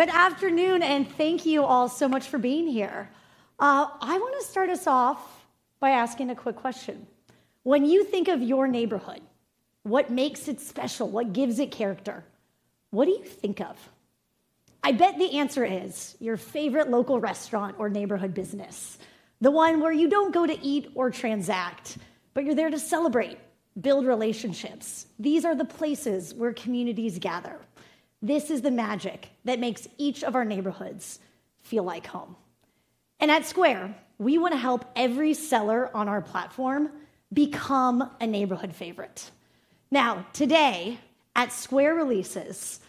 Hello. Good afternoon, and thank you all so much for being here. I want to start us off by asking a quick question. When you think of your neighborhood, what makes it special? What gives it character? What do you think of? I bet the answer is your favorite local restaurant or neighborhood business. The one where you don't go to eat or transact, but you're there to celebrate, build relationships. These are the places where communities gather. This is the magic that makes each of our neighborhoods feel like home, and at Square, we want to help every seller on our platform become a neighborhood favorite. Now, today at Square Releases,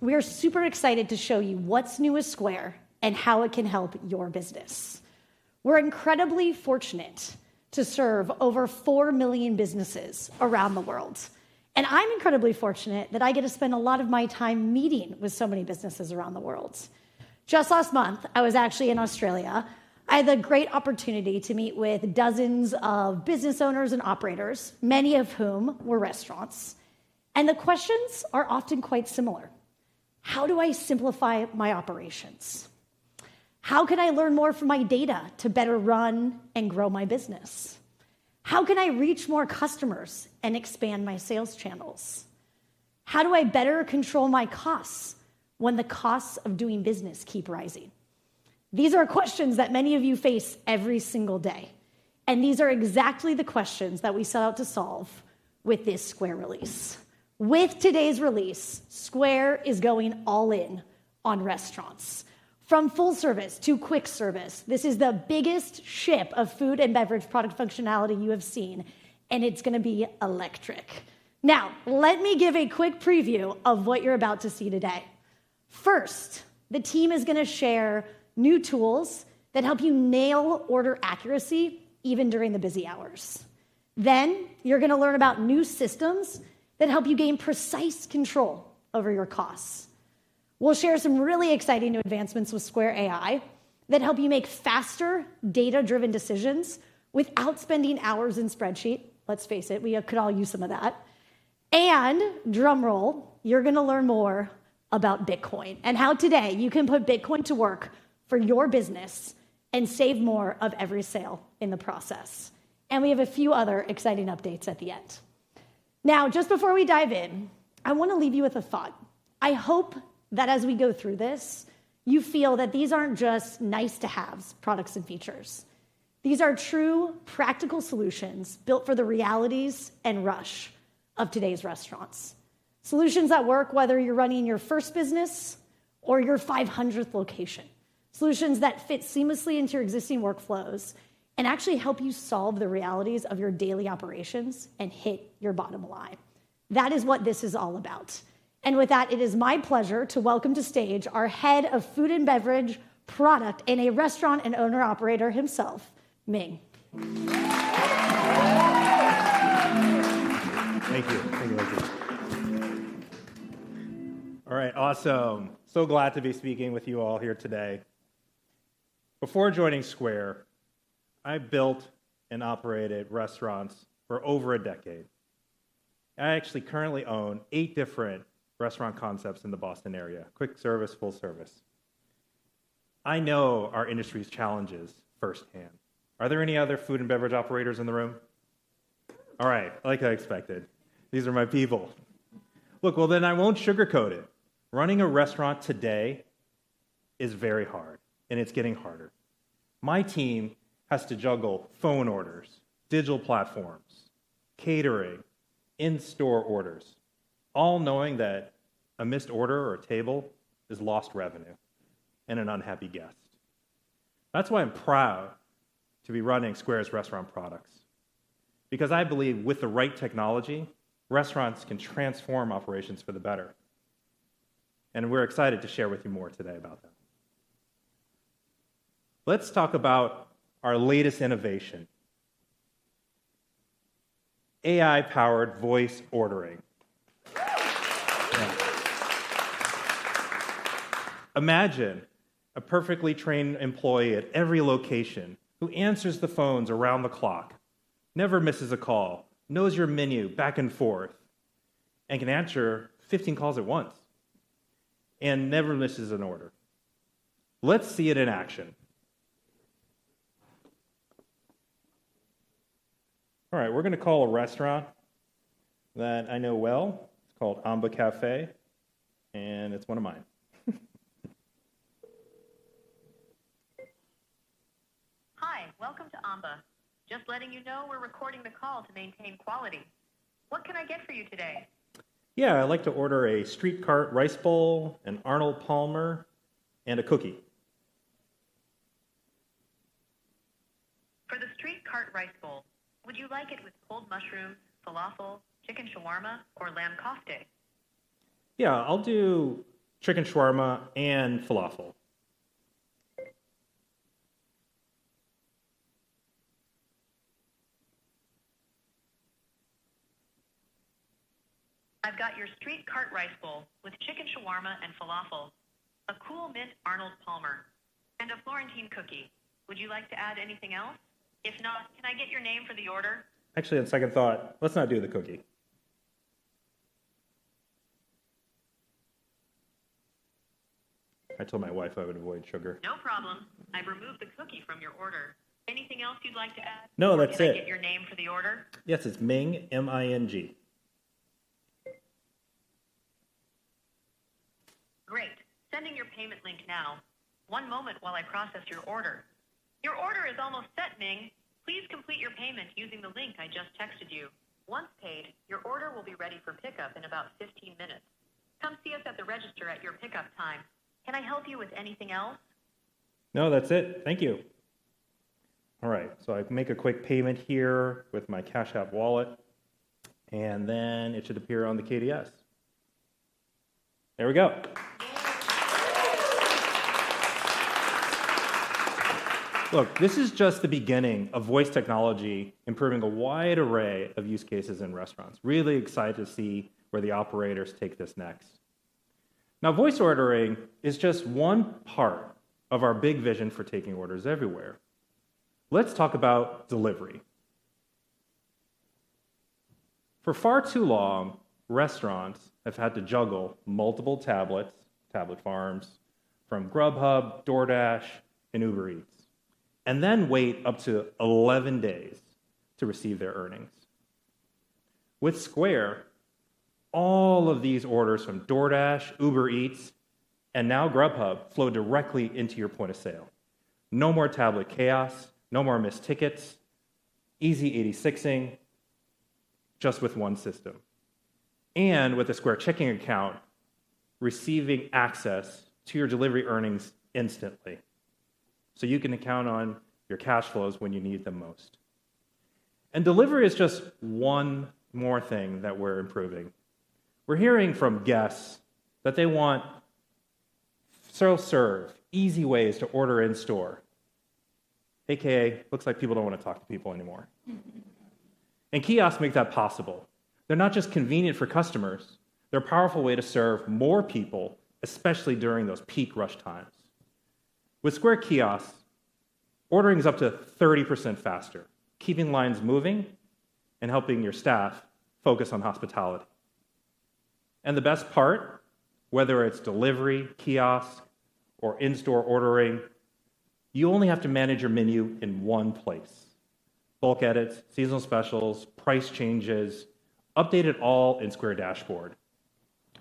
we are super excited to show you what's new with Square and how it can help your business. We're incredibly fortunate to serve over four million businesses around the world. And I'm incredibly fortunate that I get to spend a lot of my time meeting with so many businesses around the world. Just last month, I was actually in Australia. I had the great opportunity to meet with dozens of business owners and operators, many of whom were restaurants. And the questions are often quite similar. How do I simplify my operations? How can I learn more from my data to better run and grow my business? How can I reach more customers and expand my sales channels? How do I better control my costs when the costs of doing business keep rising? These are questions that many of you face every single day. And these are exactly the questions that we set out to solve with this Square Release. With today's release, Square is going all in on restaurants. From full service to quick service, this is the biggest shift of food and beverage product functionality you have seen. And it's going to be electric. Now, let me give a quick preview of what you're about to see today. First, the team is going to share new tools that help you nail order accuracy even during the busy hours. Then you're going to learn about new systems that help you gain precise control over your costs. We'll share some really exciting new advancements with Square AI that help you make faster data-driven decisions without spending hours in spreadsheets. Let's face it, we could all use some of that. And drum roll, you're going to learn more about Bitcoin and how today you can put Bitcoin to work for your business and save more of every sale in the process. We have a few other exciting updates at the end. Now, just before we dive in, I want to leave you with a thought. I hope that as we go through this, you feel that these aren't just nice-to-haves products and features. These are true practical solutions built for the realities and rush of today's restaurants. Solutions that work whether you're running your first business or your 500th location. Solutions that fit seamlessly into your existing workflows and actually help you solve the realities of your daily operations and hit your bottom line. That is what this is all about. With that, it is my pleasure to welcome to the stage our Head of Food and Beverage Product and a restaurant owner-operator himself, Ming. All right. Awesome. So glad to be speaking with you all here today. Before joining Square, I built and operated restaurants for over a decade. I actually currently own eight different restaurant concepts in the Boston area. Quick service, full service. I know our industry's challenges firsthand. Are there any other food and beverage operators in the room? All right. Like I expected, these are my people. Look, well, then I won't sugarcoat it. Running a restaurant today is very hard, and it's getting harder. My team has to juggle phone orders, digital platforms, catering, in-store orders, all knowing that a missed order or a table is lost revenue and an unhappy guest. That's why I'm proud to be running Square's restaurant products, because I believe with the right technology, restaurants can transform operations for the better. And we're excited to share with you more today about that. Let's talk about our latest innovation, AI-powered voice ordering. Imagine a perfectly trained employee at every location who answers the phones around the clock, never misses a call, knows your menu back and forth, and can answer 15 calls at once and never misses an order. Let's see it in action. All right. We're going to call a restaurant that I know well. It's called Amba Cafe, and it's one of mine. Hi. Welcome to Omba. Just letting you know we're recording the call to maintain quality. What can I get for you today? Yeah. I'd like to order a Street Cart Rice Bowl, an Arnold Palmer, and a cookie. For the Street Cart Rice Bowl, would you like it with cold mushroom, falafel, chicken shawarma, or lamb kofte? Yeah. I'll do chicken shawarma and falafel. I've got your Street Cart Rice Bowl with chicken shawarma and falafel, a cool mint Arnold Palmer, and a Florentine cookie. Would you like to add anything else? If not, can I get your name for the order? Actually, on second thought, let's not do the cookie. I told my wife I would avoid sugar. No problem. I've removed the cookie from your order. Anything else you'd like to add? No, that's it. Can I get your name for the order? Yes. It's Ming, M-I-N-G. Great. Sending your payment link now. One moment while I process your order. Your order is almost set, Ming. Please complete your payment using the link I just texted you. Once paid, your order will be ready for pickup in about 15 minutes. Come see us at the register at your pickup time. Can I help you with anything else? No, that's it. Thank you. All right. So I can make a quick payment here with my Cash App Wallet, and then it should appear on the KDS. There we go. Look, this is just the beginning of voice technology improving a wide array of use cases in restaurants. Really excited to see where the operators take this next. Now, voice ordering is just one part of our big vision for taking orders everywhere. Let's talk about delivery. For far too long, restaurants have had to juggle multiple tablets, tablet farms from Grubhub, DoorDash, and Uber Eats, and then wait up to 11 days to receive their earnings. With Square, all of these orders from DoorDash, Uber Eats, and now Grubhub flow directly into your point of sale. No more tablet chaos, no more missed tickets, easy 86ing, just with one system. And with a Square Checking account, receiving access to your delivery earnings instantly. So you can count on your cash flows when you need them most. And delivery is just one more thing that we're improving. We're hearing from guests that they want self-serve, easy ways to order in store, a.k.a., looks like people don't want to talk to people anymore. And kiosks make that possible. They're not just convenient for customers. They're a powerful way to serve more people, especially during those peak rush times. With Square Kiosks, ordering is up to 30% faster, keeping lines moving, and helping your staff focus on hospitality. And the best part, whether it's delivery, kiosks, or in-store ordering, you only have to manage your menu in one place: bulk edits, seasonal specials, price changes, updated all in Square Dashboard.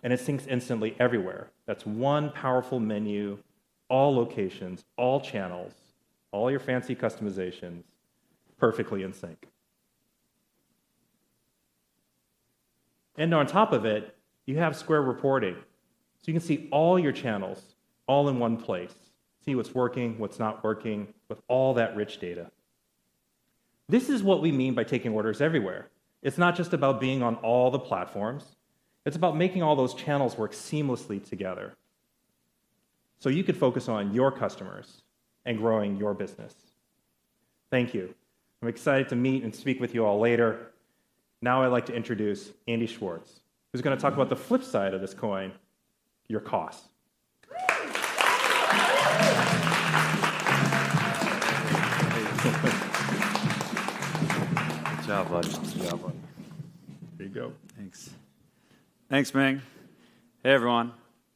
And it syncs instantly everywhere. That's one powerful menu, all locations, all channels, all your fancy customizations perfectly in sync, and on top of it, you have Square reporting, so you can see all your channels all in one place, see what's working, what's not working with all that rich data. This is what we mean by taking orders everywhere. It's not just about being on all the platforms. It's about making all those channels work seamlessly together so you could focus on your customers and growing your business. Thank you. I'm excited to meet and speak with you all later. Now I'd like to introduce Andy Schwartz, who's going to talk about the flip side of this coin, your cost. Good job, buddy. Good job, buddy. There you go. Thanks. Thanks, Ming. Hey, everyone.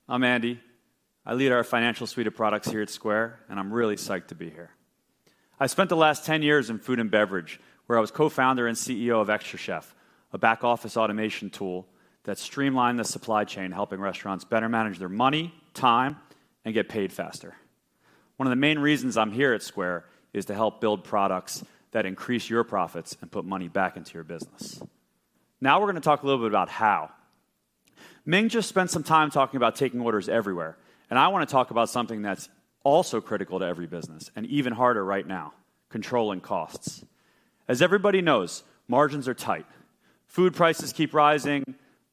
I'm Andy. I lead our financial suite of products here at Square, and I'm really psyched to be here. I spent the last 10 years in food and beverage, where I was co-founder and CEO of xtraCHEF, a back-office automation tool that streamlined the supply chain, helping restaurants better manage their money, time, and get paid faster. One of the main reasons I'm here at Square is to help build products that increase your profits and put money back into your business. Now we're going to talk a little bit about how. Ming just spent some time talking about taking orders everywhere, and I want to talk about something that's also critical to every business and even harder right now, controlling costs. As everybody knows, margins are tight. Food prices keep rising.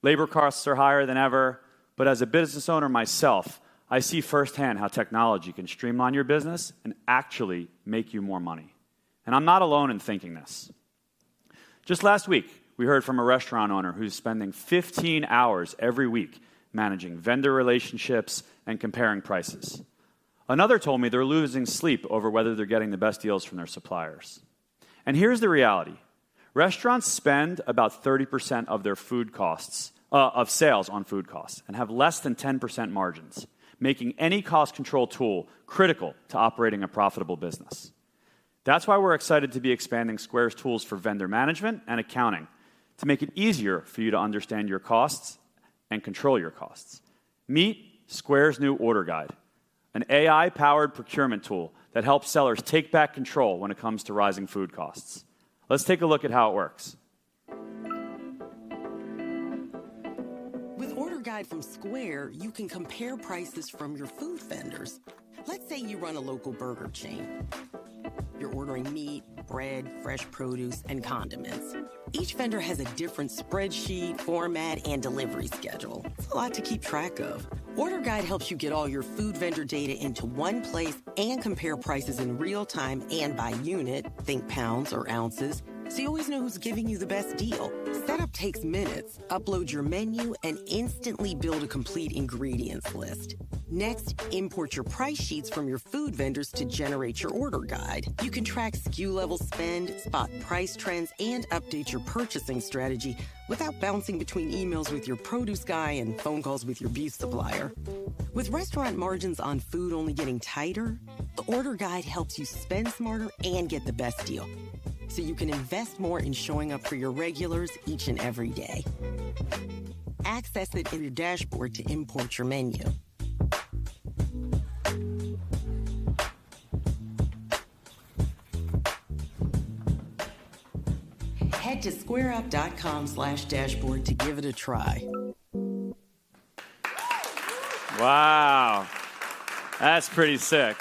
Labor costs are higher than ever. But as a business owner myself, I see firsthand how technology can streamline your business and actually make you more money. And I'm not alone in thinking this. Just last week, we heard from a restaurant owner who's spending 15 hours every week managing vendor relationships and comparing prices. Another told me they're losing sleep over whether they're getting the best deals from their suppliers. And here's the reality. Restaurants spend about 30% of their food costs of sales on food costs and have less than 10% margins, making any cost control tool critical to operating a profitable business. That's why we're excited to be expanding Square's tools for vendor management and accounting to make it easier for you to understand your costs and control your costs. Meet Square's new Order Guide, an AI-powered procurement tool that helps sellers take back control when it comes to rising food costs. Let's take a look at how it works. With Order Guide from Square, you can compare prices from your food vendors. Let's say you run a local burger chain. You're ordering meat, bread, fresh produce, and condiments. Each vendor has a different spreadsheet, format, and delivery schedule. It's a lot to keep track of. Order Guide helps you get all your food vendor data into one place and compare prices in real time and by unit, think pounds or ounces, so you always know who's giving you the best deal. Setup takes minutes. Upload your menu and instantly build a complete ingredients list. Next, import your price sheets from your food vendors to generate your Order Guide. You can track SKU level spend, spot price trends, and update your purchasing strategy without bouncing between emails with your produce guy and phone calls with your beef supplier. With restaurant margins on food only getting tighter, the Order Guide helps you spend smarter and get the best deal so you can invest more in showing up for your regulars each and every day. Access it in your dashboard to import your menu. Head to squareup.com/dashboard to give it a try. Wow. That's pretty sick.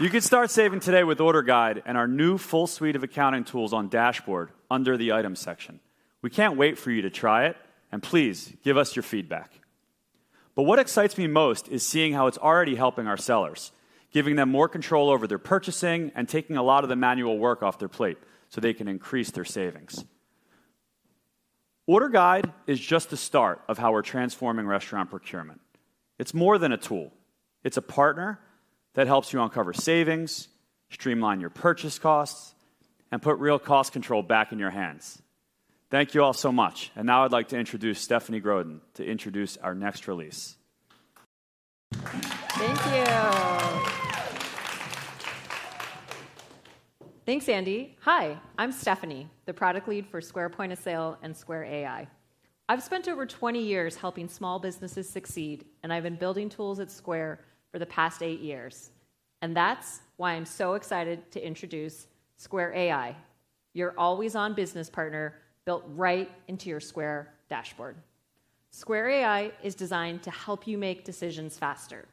You can start saving today with Order Guide and our new full suite of accounting tools on dashboard under the items section. We can't wait for you to try it. And please give us your feedback. But what excites me most is seeing how it's already helping our sellers, giving them more control over their purchasing and taking a lot of the manual work off their plate so they can increase their savings. Order Guide is just the start of how we're transforming restaurant procurement. It's more than a tool. It's a partner that helps you uncover savings, streamline your purchase costs, and put real cost control back in your hands. Thank you all so much. And now I'd like to introduce Stephanie Grodin to introduce our next release. Thank you. Thanks, Andy. Hi. I'm Stephanie, the Product Lead for Square Point of Sale and Square AI. I've spent over 20 years helping small businesses succeed, and I've been building tools at Square for the past eight years, and that's why I'm so excited to introduce Square AI, your always-on business partner built right into your Square Dashboard. Square AI is designed to help you make decisions faster.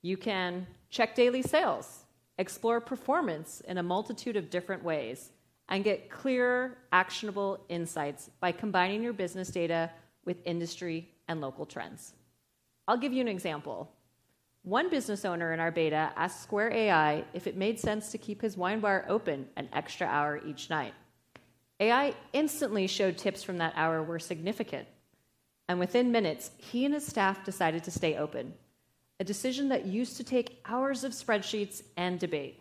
You can check daily sales, explore performance in a multitude of different ways, and get clear, actionable insights by combining your business data with industry and local trends. I'll give you an example. One business owner in our beta asked Square AI if it made sense to keep his wine bar open an extra hour each night. AI instantly showed tips from that hour were significant. And within minutes, he and his staff decided to stay open, a decision that used to take hours of spreadsheets and debate.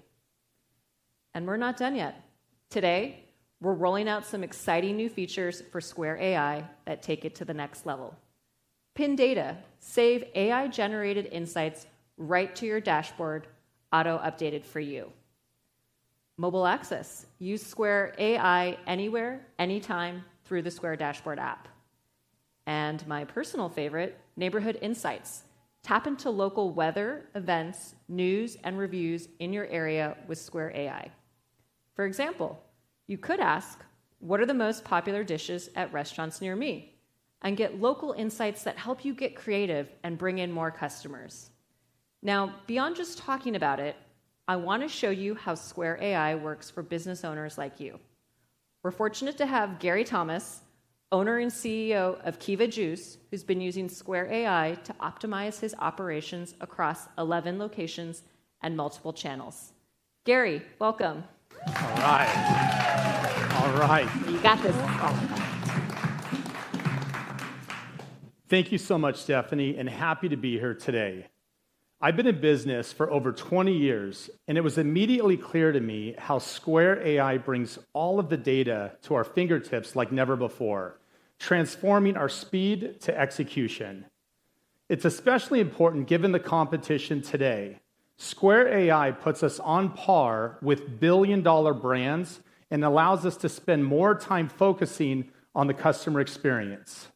And we're not done yet. Today, we're rolling out some exciting new features for Square AI that take it to the next level. Pin data, save AI-generated insights right to your dashboard, auto-updated for you. Mobile access, use Square AI anywhere, anytime through the Square Dashboard app. And my personal favorite, neighborhood insights. Tap into local weather, events, news, and reviews in your area with Square AI. For example, you could ask, what are the most popular dishes at restaurants near me? And get local insights that help you get creative and bring in more customers. Now, beyond just talking about it, I want to show you how Square AI works for business owners like you. We're fortunate to have Gary Thomas, Owner and CEO of Keva Juice, who's been using Square AI to optimize his operations across 11 locations and multiple channels. Gary, welcome. All right. All right. You got this. Thank you so much, Stephanie, and happy to be here today. I've been in business for over 20 years, and it was immediately clear to me how Square AI brings all of the data to our fingertips like never before, transforming our speed to execution. It's especially important given the competition today. Square AI puts us on par with billion-dollar brands and allows us to spend more time focusing on the customer experience.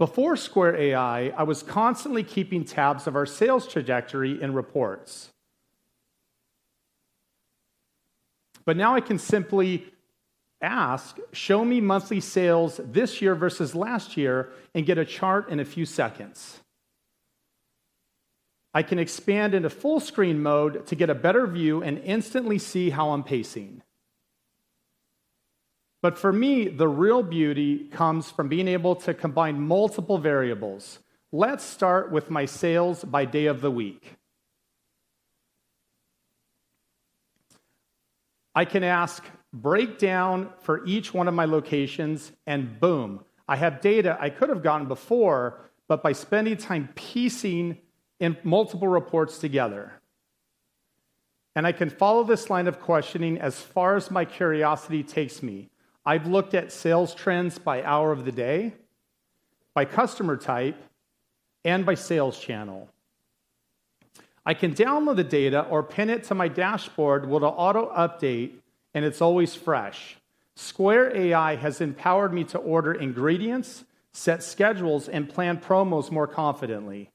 Before Square AI, I was constantly keeping tabs of our sales trajectory in reports. But now I can simply ask, show me monthly sales this year versus last year and get a chart in a few seconds. I can expand into full-screen mode to get a better view and instantly see how I'm pacing. But for me, the real beauty comes from being able to combine multiple variables. Let's start with my sales by day of the week. I can ask, break down for each one of my locations, and boom, I have data I could have gotten before, but by spending time piecing in multiple reports together. And I can follow this line of questioning as far as my curiosity takes me. I've looked at sales trends by hour of the day, by customer type, and by sales channel. I can download the data or pin it to my dashboard where it'll auto-update, and it's always fresh. Square AI has empowered me to order ingredients, set schedules, and plan promos more confidently.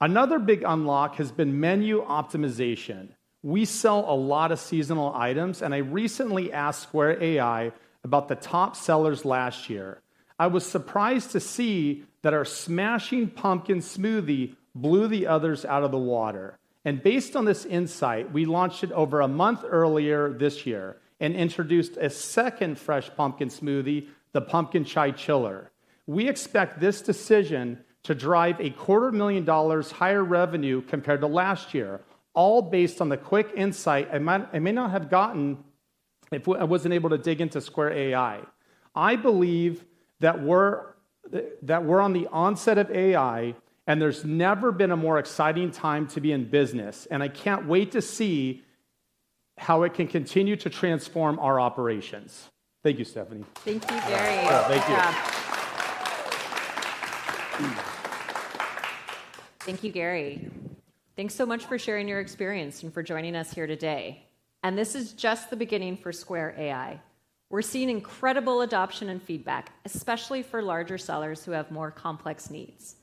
Another big unlock has been menu optimization. We sell a lot of seasonal items, and I recently asked Square AI about the top sellers last year. I was surprised to see that our Smashing Pumpkin Smoothie blew the others out of the water. and based on this insight, we launched it over a month earlier this year and introduced a second fresh pumpkin smoothie, the Pumpkin Chai Chiller. We expect this decision to drive $250,000 higher revenue compared to last year, all based on the quick insight I may not have gotten if I wasn't able to dig into Square AI. I believe that we're on the onset of AI, and there's never been a more exciting time to be in business. and I can't wait to see how it can continue to transform our operations. Thank you, Stephanie. Thank you, Gary. Thank you. Thank you, Gary. Thanks so much for sharing your experience and for joining us here today. And this is just the beginning for Square AI. We're seeing incredible adoption and feedback, especially for larger sellers who have more complex needs.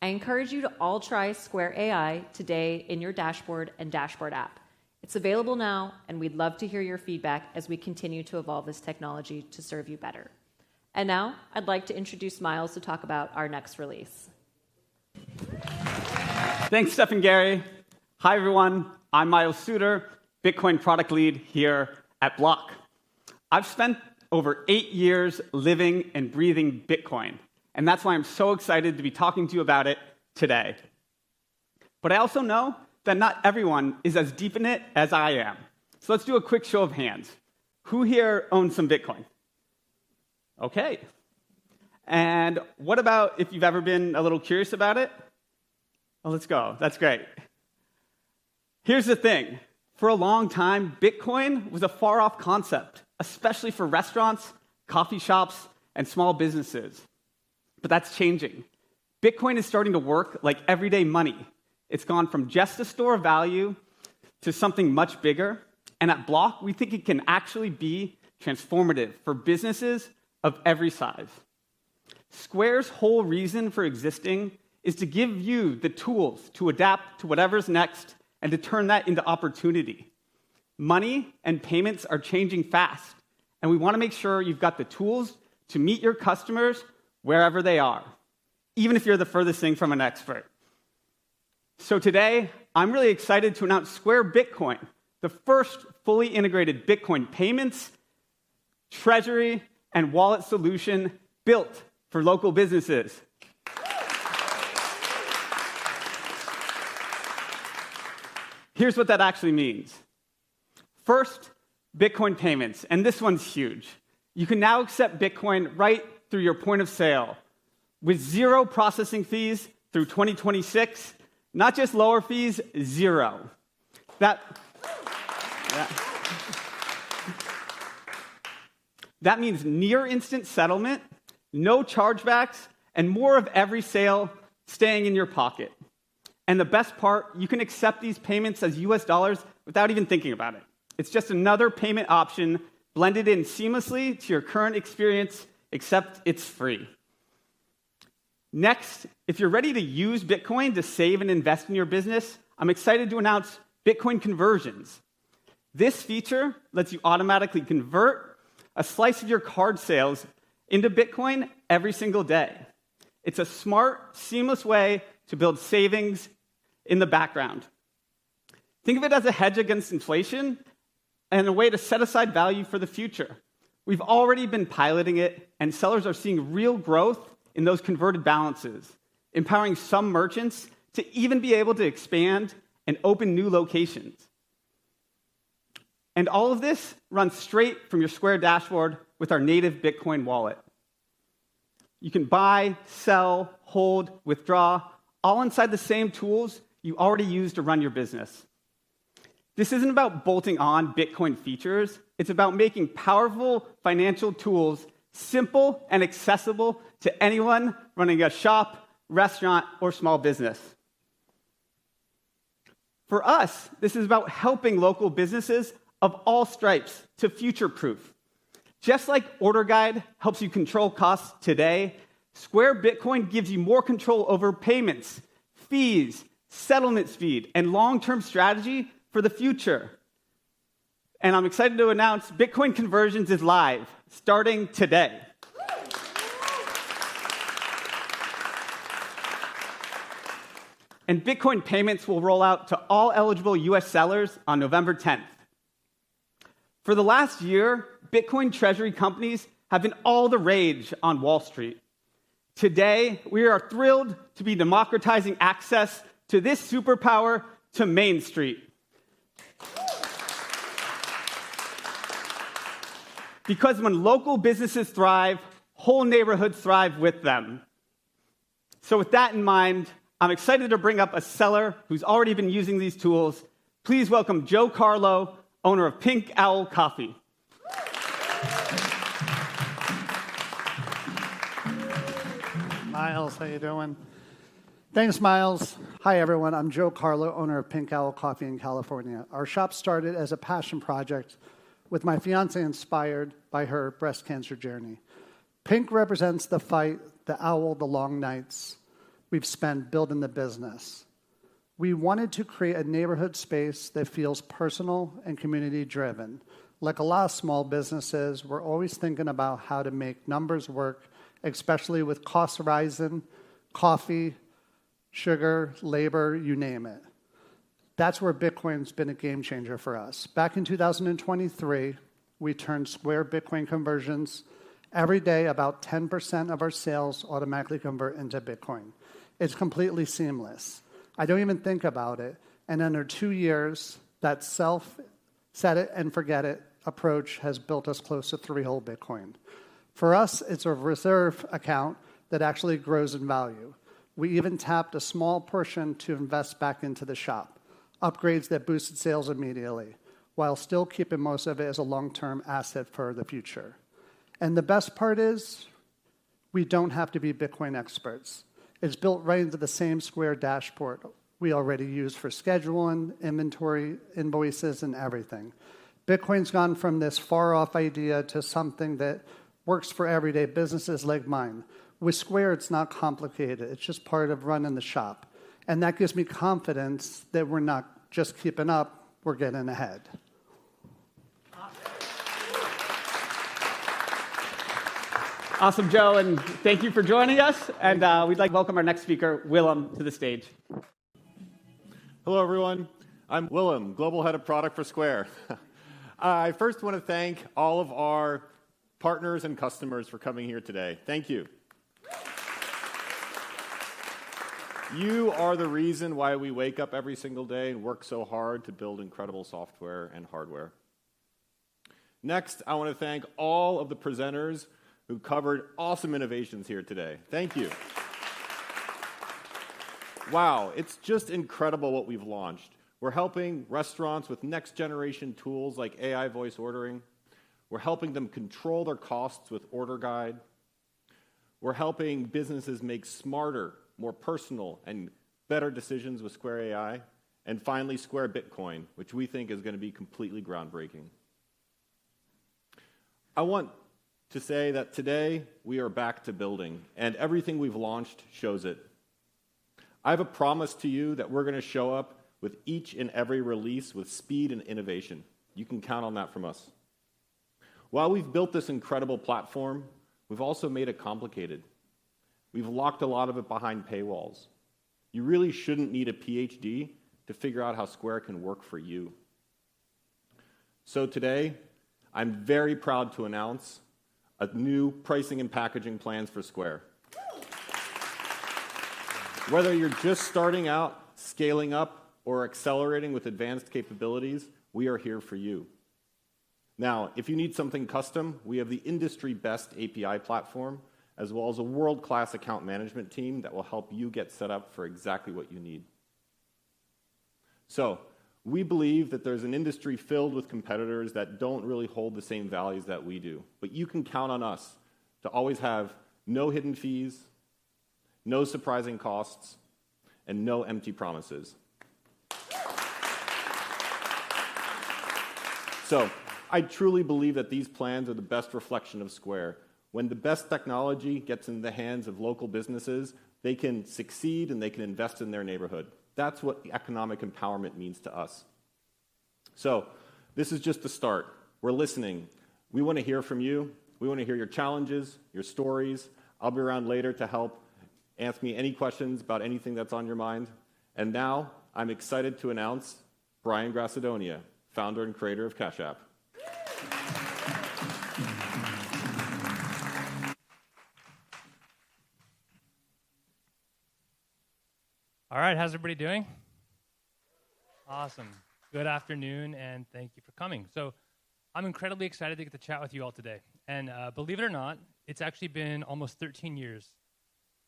I encourage you to all try Square AI today in your dashboard and dashboard app. It's available now, and we'd love to hear your feedback as we continue to evolve this technology to serve you better. And now I'd like to introduce Miles to talk about our next release. Thanks, Steph and Gary. Hi, everyone. I'm Miles Suter, Bitcoin product lead here at Block. I've spent over eight years living and breathing Bitcoin, and that's why I'm so excited to be talking to you about it today. But I also know that not everyone is as deep in it as I am. So let's do a quick show of hands. Who here owns some Bitcoin? ok. And what about if you've ever been a little curious about it? Well, let's go. That's great. Here's the thing. For a long time, Bitcoin was a far-off concept, especially for restaurants, coffee shops, and small businesses. But that's changing. Bitcoin is starting to work like everyday money. It's gone from just a store of value to something much bigger. And at Block, we think it can actually be transformative for businesses of every size. Square's whole reason for existing is to give you the tools to adapt to whatever's next and to turn that into opportunity. Money and payments are changing fast, and we want to make sure you've got the tools to meet your customers wherever they are, even if you're the furthest thing from an expert. So today, I'm really excited to announce Square Bitcoin, the first fully integrated Bitcoin payments, treasury, and wallet solution built for local businesses. Here's what that actually means. First, Bitcoin payments. And this one's huge. You can now accept Bitcoin right through your point of sale with zero processing fees through 2026. Not just lower fees, zero. That means near-instant settlement, no chargebacks, and more of every sale staying in your pocket. And the best part, you can accept these payments as U.S. dollars without even thinking about it. It's just another payment option blended in seamlessly to your current experience, except it's free. Next, if you're ready to use Bitcoin to save and invest in your business, I'm excited to announce Bitcoin conversions. This feature lets you automatically convert a slice of your card sales into Bitcoin every single day. It's a smart, seamless way to build savings in the background. Think of it as a hedge against inflation and a way to set aside value for the future. We've already been piloting it, and sellers are seeing real growth in those converted balances, empowering some merchants to even be able to expand and open new locations. And all of this runs straight from your Square Dashboard with our native Bitcoin wallet. You can buy, sell, hold, withdraw, all inside the same tools you already use to run your business. This isn't about bolting on Bitcoin features. It's about making powerful financial tools simple and accessible to anyone running a shop, restaurant, or small business. For us, this is about helping local businesses of all stripes to future-proof. Just like Order Guide helps you control costs today, Square Bitcoin gives you more control over payments, fees, settlement speed, and long-term strategy for the future. And I'm excited to announce Bitcoin conversions is live, starting today. And Bitcoin payments will roll out to all eligible U.S. sellers on November 10th. For the last year, Bitcoin treasury companies have been all the rage on Wall Street. Today, we are thrilled to be democratizing access to this superpower to Main Street. Because when local businesses thrive, whole neighborhoods thrive with them. So with that in mind, I'm excited to bring up a seller who's already been using these tools. Please welcome Joe Carlo, owner of Pink Owl Coffee. Miles, how you doing? Thanks, Miles. Hi, everyone. I'm Joe Carlo, owner of Pink Owl Coffee in California. Our shop started as a passion project with my fiancée inspired by her breast cancer journey. Pink represents the fight, the owl, the long nights we've spent building the business. We wanted to create a neighborhood space that feels personal and community-driven. Like a lot of small businesses, we're always thinking about how to make numbers work, especially with costs rising, coffee, sugar, labor, you name it. That's where Bitcoin's been a game changer for us. Back in 2023, we turned Square Bitcoin conversions. Every day, about 10% of our sales automatically convert into Bitcoin. It's completely seamless. I don't even think about it, and under two years, that self-set-it-and-forget-it approach has built us close to three whole Bitcoin. For us, it's a reserve account that actually grows in value. We even tapped a small portion to invest back into the shop, upgrades that boosted sales immediately while still keeping most of it as a long-term asset for the future, and the best part is we don't have to be Bitcoin experts. It's built right into the same Square Dashboard we already use for scheduling, inventory, invoices, and everything. Bitcoin's gone from this far-off idea to something that works for everyday businesses like mine. With Square, it's not complicated. It's just part of running the shop, and that gives me confidence that we're not just keeping up, we're getting ahead. Awesome, Joe. And thank you for joining us. And we'd like to welcome our next speaker, Willem, to the stage. Hello, everyone. I'm Willem, Global Head of Product for Square. I first want to thank all of our partners and customers for coming here today. Thank you. You are the reason why we wake up every single day and work so hard to build incredible software and hardware. Next, I want to thank all of the presenters who covered awesome innovations here today. Thank you. Wow, it's just incredible what we've launched. We're helping restaurants with next-generation tools like AI voice ordering. We're helping them control their costs with Order Guide. We're helping businesses make smarter, more personal, and better decisions with Square AI. And finally, Square Bitcoin, which we think is going to be completely groundbreaking. I want to say that today we are back to building, and everything we've launched shows it. I have a promise to you that we're going to show up with each and every release with speed and innovation. You can count on that from us. While we've built this incredible platform, we've also made it complicated. We've locked a lot of it behind paywalls. You really shouldn't need a PhD to figure out how Square can work for you. So today, I'm very proud to announce a new pricing and packaging plans for Square. Whether you're just starting out, scaling up, or accelerating with advanced capabilities, we are here for you. Now, if you need something custom, we have the industry-best API platform, as well as a world-class account management team that will help you get set up for exactly what you need. So we believe that there's an industry filled with competitors that don't really hold the same values that we do. But you can count on us to always have no hidden fees, no surprising costs, and no empty promises. So I truly believe that these plans are the best reflection of Square. When the best technology gets into the hands of local businesses, they can succeed, and they can invest in their neighborhood. That's what economic empowerment means to us. So this is just the start. We're listening. We want to hear from you. We want to hear your challenges, your stories. I'll be around later to help. Ask me any questions about anything that's on your mind. And now I'm excited to announce Brian Grassadonia, founder and creator of Cash App. All right, how's everybody doing? Awesome. Good afternoon, and thank you for coming, so I'm incredibly excited to get to chat with you all today, and believe it or not, it's actually been almost 13 years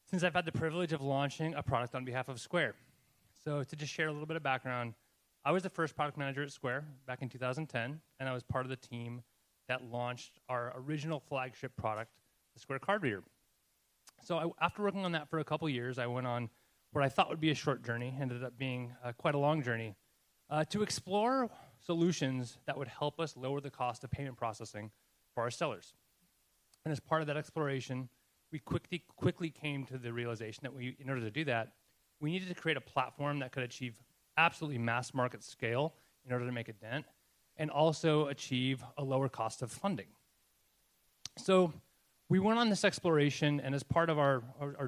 since I've had the privilege of launching a product on behalf of Square, so to just share a little bit of background, I was the first product manager at Square back in 2010, and I was part of the team that launched our original flagship product, the Square Card Reader, so after working on that for a couple of years, I went on what I thought would be a short journey and ended up being quite a long journey to explore solutions that would help us lower the cost of payment processing for our sellers. And as part of that exploration, we quickly came to the realization that in order to do that, we needed to create a platform that could achieve absolutely mass market scale in order to make a dent and also achieve a lower cost of funding. So we went on this exploration, and as part of our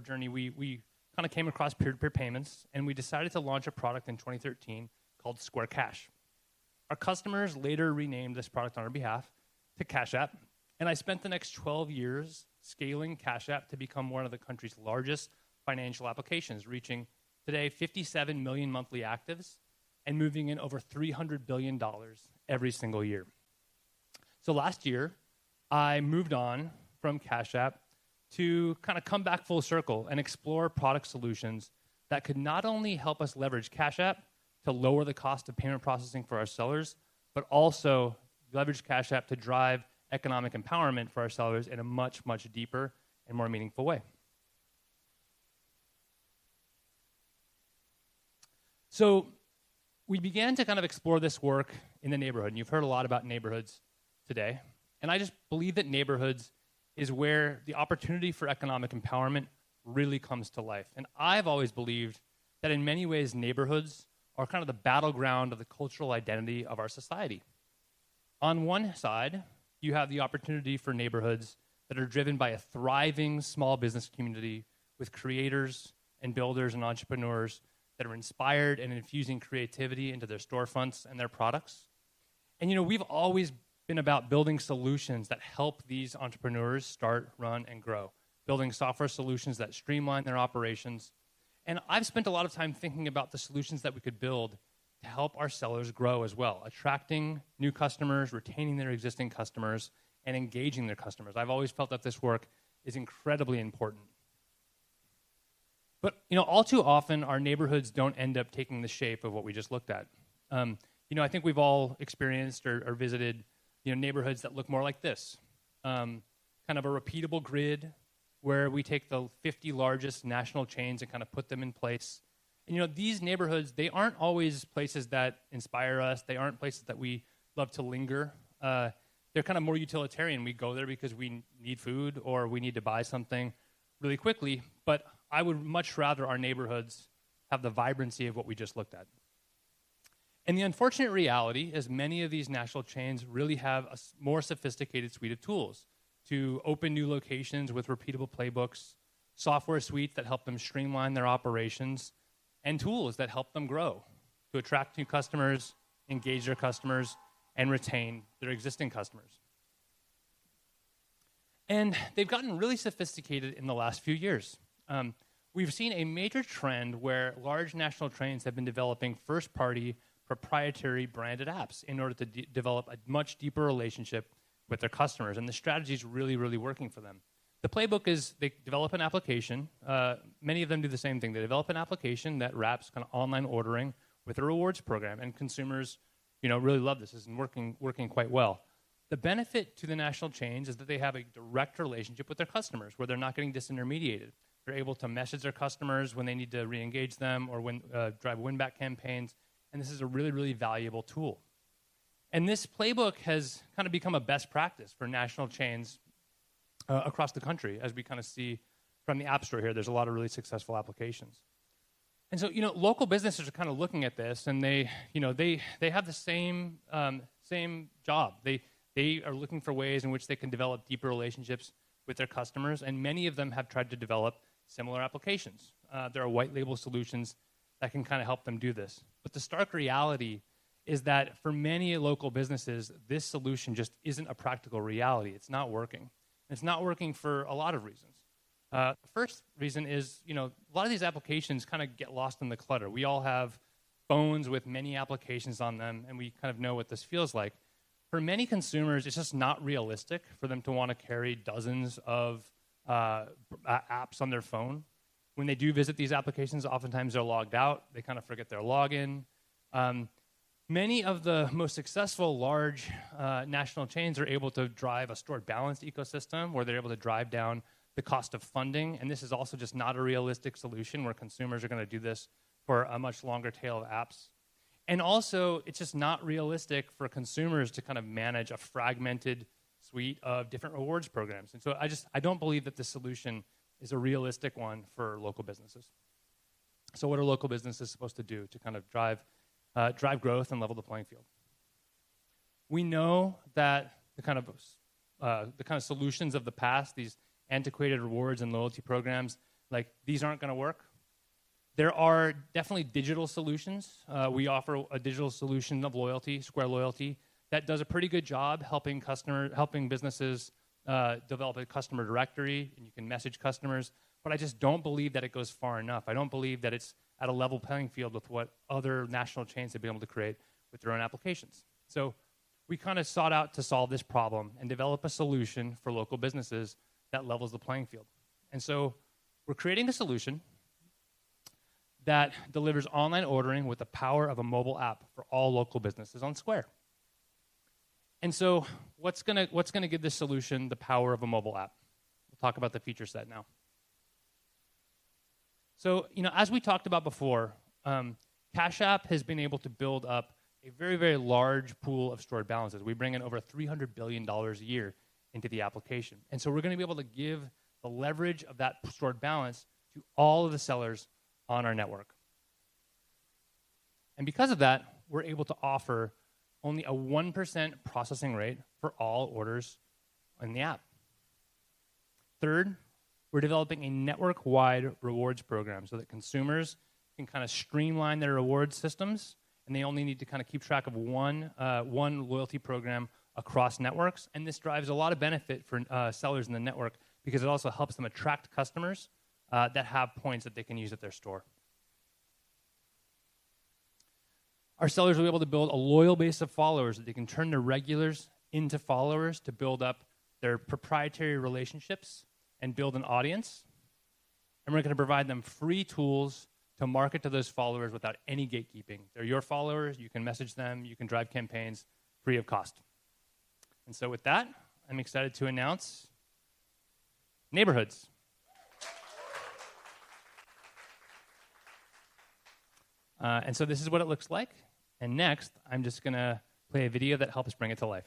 journey, we kind of came across peer-to-peer payments, and we decided to launch a product in 2013 called Square Cash. Our customers later renamed this product on our behalf to Cash App. And I spent the next 12 years scaling Cash App to become one of the country's largest financial applications, reaching today 57 million monthly actives and moving in over $300 billion every single year. So last year, I moved on from Cash App to kind of come back full circle and explore product solutions that could not only help us leverage Cash App to lower the cost of payment processing for our sellers, but also leverage Cash App to drive economic empowerment for our sellers in a much, much deeper and more meaningful way. So we began to kind of explore this work in the Neighborhood. And you've heard a lot about Neighborhoods today. And I just believe that Neighborhoods is where the opportunity for economic empowerment really comes to life. And I've always believed that in many ways, Neighborhoods are kind of the battleground of the cultural identity of our society. On one side, you have the opportunity for neighborhoods that are driven by a thriving small business community with creators and builders and entrepreneurs that are inspired and infusing creativity into their storefronts and their products. And we've always been about building solutions that help these entrepreneurs start, run, and grow, building software solutions that streamline their operations. And I've spent a lot of time thinking about the solutions that we could build to help our sellers grow as well, attracting new customers, retaining their existing customers, and engaging their customers. I've always felt that this work is incredibly important. But all too often, our neighborhoods don't end up taking the shape of what we just looked at. I think we've all experienced or visited neighborhoods that look more like this, kind of a repeatable grid where we take the 50 largest national chains and kind of put them in place, and these neighborhoods, they aren't always places that inspire us. They aren't places that we love to linger. They're kind of more utilitarian. We go there because we need food or we need to buy something really quickly, but I would much rather our neighborhoods have the vibrancy of what we just looked at, and the unfortunate reality is many of these national chains really have a more sophisticated suite of tools to open new locations with repeatable playbooks, software suites that help them streamline their operations, and tools that help them grow to attract new customers, engage their customers, and retain their existing customers, and they've gotten really sophisticated in the last few years. We've seen a major trend where large national chains have been developing first-party proprietary branded apps in order to develop a much deeper relationship with their customers, and the strategy is really, really working for them. The playbook is they develop an application. Many of them do the same thing. They develop an application that wraps kind of online ordering with a rewards program, and consumers really love this. This is working quite well. The benefit to the national chains is that they have a direct relationship with their customers where they're not getting disintermediated. They're able to message their customers when they need to re-engage them or drive win-back campaigns, and this is a really, really valuable tool, and this playbook has kind of become a best practice for national chains across the country, as we kind of see from the App Store here. There's a lot of really successful applications, and so local businesses are kind of looking at this, and they have the same job. They are looking for ways in which they can develop deeper relationships with their customers, and many of them have tried to develop similar applications. There are white-label solutions that can kind of help them do this, but the stark reality is that for many local businesses, this solution just isn't a practical reality. It's not working, and it's not working for a lot of reasons. The first reason is a lot of these applications kind of get lost in the clutter. We all have phones with many applications on them, and we kind of know what this feels like. For many consumers, it's just not realistic for them to want to carry dozens of apps on their phone. When they do visit these applications, oftentimes they're logged out. They kind of forget their login. Many of the most successful large national chains are able to drive a stored balance ecosystem where they're able to drive down the cost of funding. And this is also just not a realistic solution where consumers are going to do this for a much longer tail of apps. And also, it's just not realistic for consumers to kind of manage a fragmented suite of different rewards programs. And so I don't believe that the solution is a realistic one for local businesses. So what are local businesses supposed to do to kind of drive growth and level the playing field? We know that the kind of solutions of the past, these antiquated rewards and loyalty programs, these aren't going to work. There are definitely digital solutions. We offer a digital solution of loyalty, Square Loyalty, that does a pretty good job helping businesses develop a customer directory, and you can message customers. But I just don't believe that it goes far enough. I don't believe that it's at a level playing field with what other national chains have been able to create with their own applications. So we kind of set out to solve this problem and develop a solution for local businesses that levels the playing field. And so we're creating a solution that delivers online ordering with the power of a mobile app for all local businesses on Square. And so what's going to give this solution the power of a mobile app? We'll talk about the feature set now. So as we talked about before, Cash App has been able to build up a very, very large pool of stored balances. We bring in over $300 billion a year into the application, and so we're going to be able to give the leverage of that stored balance to all of the sellers on our network, and because of that, we're able to offer only a 1% processing rate for all orders in the app. Third, we're developing a network-wide rewards program so that consumers can kind of streamline their reward systems, and they only need to kind of keep track of one loyalty program across networks, and this drives a lot of benefit for sellers in the network because it also helps them attract customers that have points that they can use at their store. Our sellers will be able to build a loyal base of followers that they can turn their regulars into followers to build up their proprietary relationships and build an audience. And we're going to provide them free tools to market to those followers without any gatekeeping. They're your followers. You can message them. You can drive campaigns free of cost. And so with that, I'm excited to announce Neighborhoods. And so this is what it looks like. And next, I'm just going to play a video that helps bring it to life.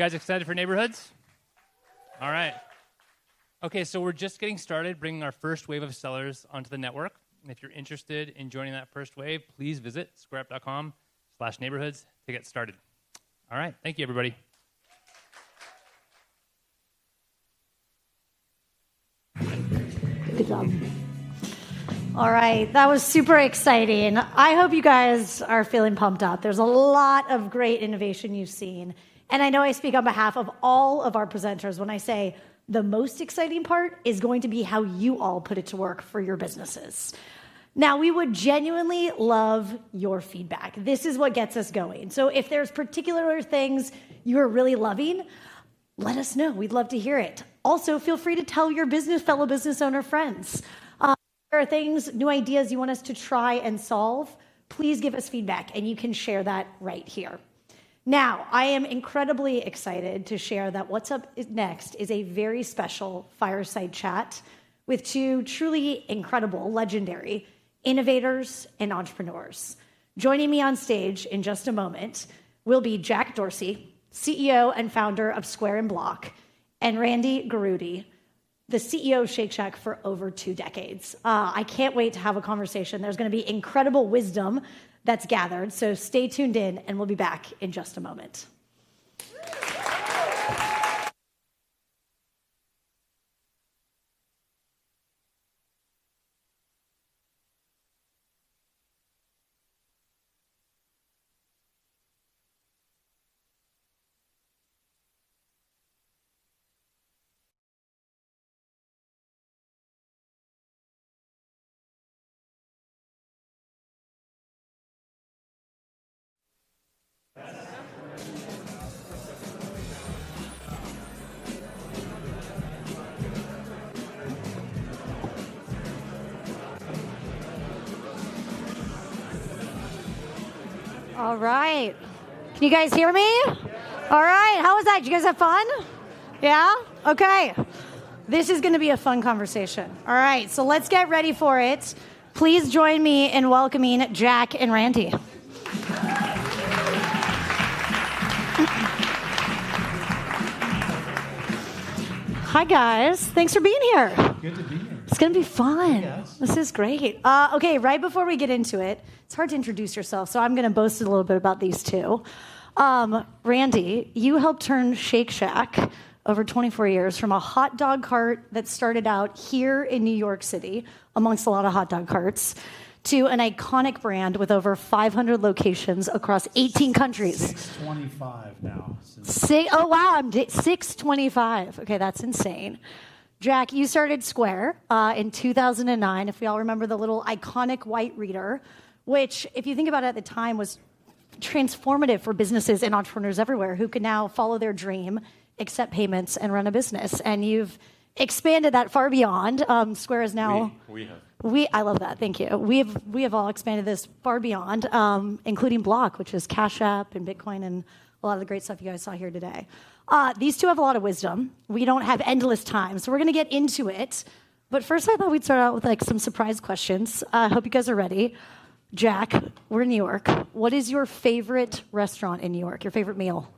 All right. You guys excited for Neighborhoods? All right. ok, so we're just getting started bringing our first wave of sellers onto the network. And if you're interested in joining that first wave, please visit squareup.com slash neighborhoods to get started. All right, thank you, everybody. Good job. All right, that was super exciting. I hope you guys are feeling pumped up. There's a lot of great innovation you've seen, and I know I speak on behalf of all of our presenters when I say the most exciting part is going to be how you all put it to work for your businesses. Now, we would genuinely love your feedback. This is what gets us going, so if there's particular things you are really loving, let us know. We'd love to hear it. Also, feel free to tell your fellow business owner friends if there are things, new ideas you want us to try and solve, please give us feedback, and you can share that right here. Now, I am incredibly excited to share that What's Up Next is a very special fireside chat with two truly incredible, legendary innovators and entrepreneurs. Joining me on stage in just a moment will be Jack Dorsey, CEO and founder of Square & Block, and Randy Garutti, the CEO of Shake Shack for over two decades. I can't wait to have a conversation. There's going to be incredible wisdom that's gathered. So stay tuned in, and we'll be back in just a moment. All right. Can you guys hear me? All right. How was that? Did you guys have fun? Yeah? ok. This is going to be a fun conversation. All right, so let's get ready for it. Please join me in welcoming Jack and Randy. Hi, guys. Thanks for being here. Good to be here. It's going to be fun. Yes. This is great. ok, right before we get into it, it's hard to introduce yourself. So I'm going to boast a little bit about these two. Randy, you helped turn Shake Shack over 24 years from a hot dog cart that started out here in New York City, amongst a lot of hot dog carts, to an iconic brand with over 500 locations across 18 countries. 625 now. Oh, wow. 625. ok, that's insane. Jack, you started Square in 2009, if we all remember the little iconic white reader, which, if you think about it, at the time was transformative for businesses and entrepreneurs everywhere who could now follow their dream, accept payments, and run a business, and you've expanded that far beyond. Square is now. We have. I love that. Thank you. We have all expanded this far beyond, including Block, which is Cash App and Bitcoin and a lot of the great stuff you guys saw here today. These two have a lot of wisdom. We don't have endless time. So we're going to get into it. But first, I thought we'd start out with some surprise questions. I hope you guys are ready. Jack, we're in New York. What is your favorite restaurant in New York? Your favorite meal?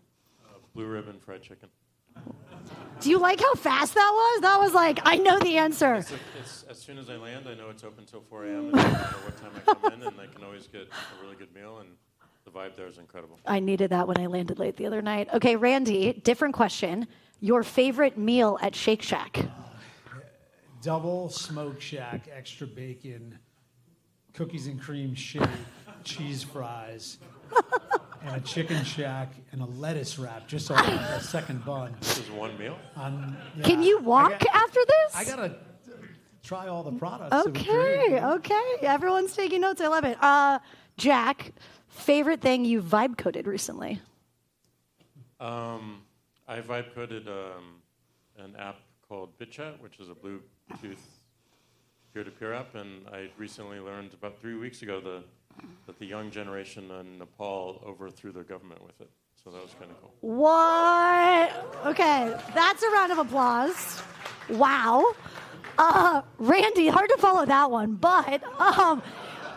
Blue Ribbon Fried Chicken. Do you like how fast that was? That was like, I know the answer. As soon as I land, I know it's open till 4:00 A.M., and I don't know what time I come in. And I can always get a really good meal. And the vibe there is incredible. I needed that when I landed late the other night. ok, Randy, different question. Your favorite meal at Shake Shack? Double Smoked Shack, extra bacon, Cookies and Cream Shake, Cheese Fries, and a Chicken Shack and a lettuce wrap just on a second bun. This is one meal? Can you walk after this? I got to try all the products. ok, ok. Everyone's taking notes. I love it. Jack, favorite thing you vibe coded recently? I vibe coded an app called BitChat, which is a Bluetooth peer-to-peer app. And I recently learned about three weeks ago that the young generation in Nepal overthrew their government with it. So that was kind of cool. What? ok, that's a round of applause. Wow. Randy, hard to follow that one. But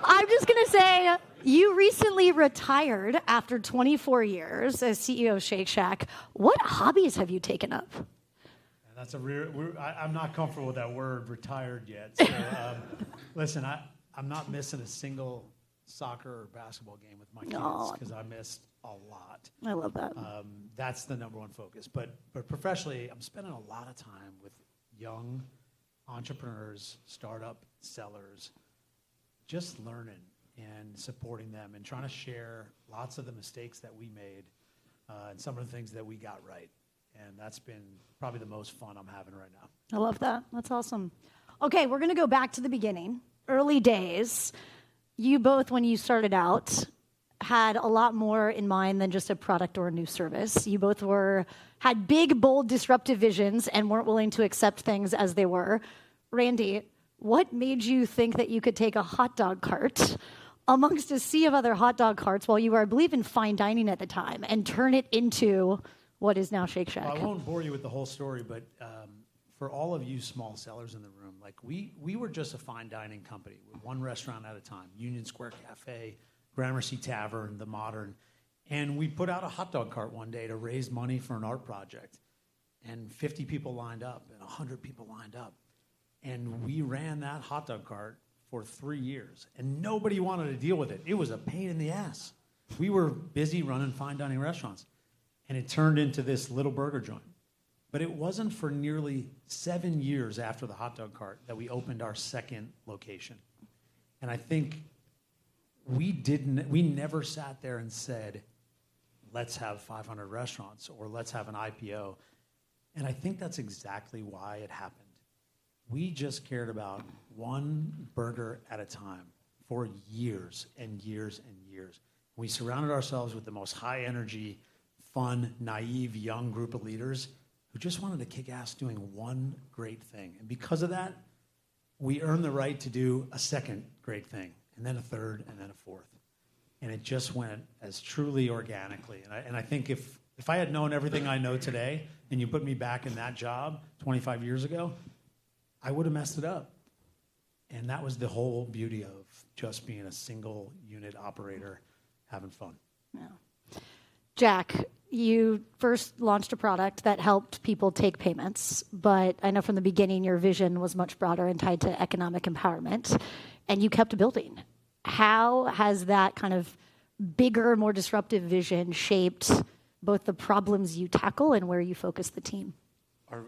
I'm just going to say you recently retired after 24 years as CEO of Shake Shack. What hobbies have you taken up? I'm not comfortable with that word, retired, yet. Listen, I'm not missing a single soccer or basketball game with my kids because I miss a lot. I love that. That's the number one focus, but professionally, I'm spending a lot of time with young entrepreneurs, startup sellers, just learning and supporting them and trying to share lots of the mistakes that we made and some of the things that we got right, and that's been probably the most fun I'm having right now. I love that. That's awesome. ok, we're going to go back to the beginning, early days. You both, when you started out, had a lot more in mind than just a product or a new service. You both had big, bold, disruptive visions and weren't willing to accept things as they were. Randy, what made you think that you could take a hot dog cart amongst a sea of other hot dog carts while you were, I believe, in fine dining at the time and turn it into what is now Shake Shack? Well, I won't bore you with the whole story. But for all of you small sellers in the room, we were just a fine dining company with one restaurant at a time, Union Square Cafe, Gramercy Tavern, The Modern. And we put out a hot dog cart one day to raise money for an art project. And 50 people lined up and 100 people lined up. And we ran that hot dog cart for three years. And nobody wanted to deal with it. It was a pain in the ass. We were busy running fine dining restaurants. And it turned into this little burger joint. But it wasn't for nearly seven years after the hot dog cart that we opened our second location. And I think we never sat there and said, let's have 500 restaurants or let's have an IPO. And I think that's exactly why it happened. We just cared about one burger at a time for years and years and years. We surrounded ourselves with the most high-energy, fun, naive young group of leaders who just wanted to kick ass doing one great thing. And because of that, we earned the right to do a second great thing and then a third and then a fourth. And it just went as truly organically. And I think if I had known everything I know today and you put me back in that job 25 years ago, I would have messed it up. And that was the whole beauty of just being a single unit operator having fun. Yeah. Jack, you first launched a product that helped people take payments. But I know from the beginning your vision was much broader and tied to economic empowerment. And you kept building. How has that kind of bigger, more disruptive vision shaped both the problems you tackle and where you focus the team?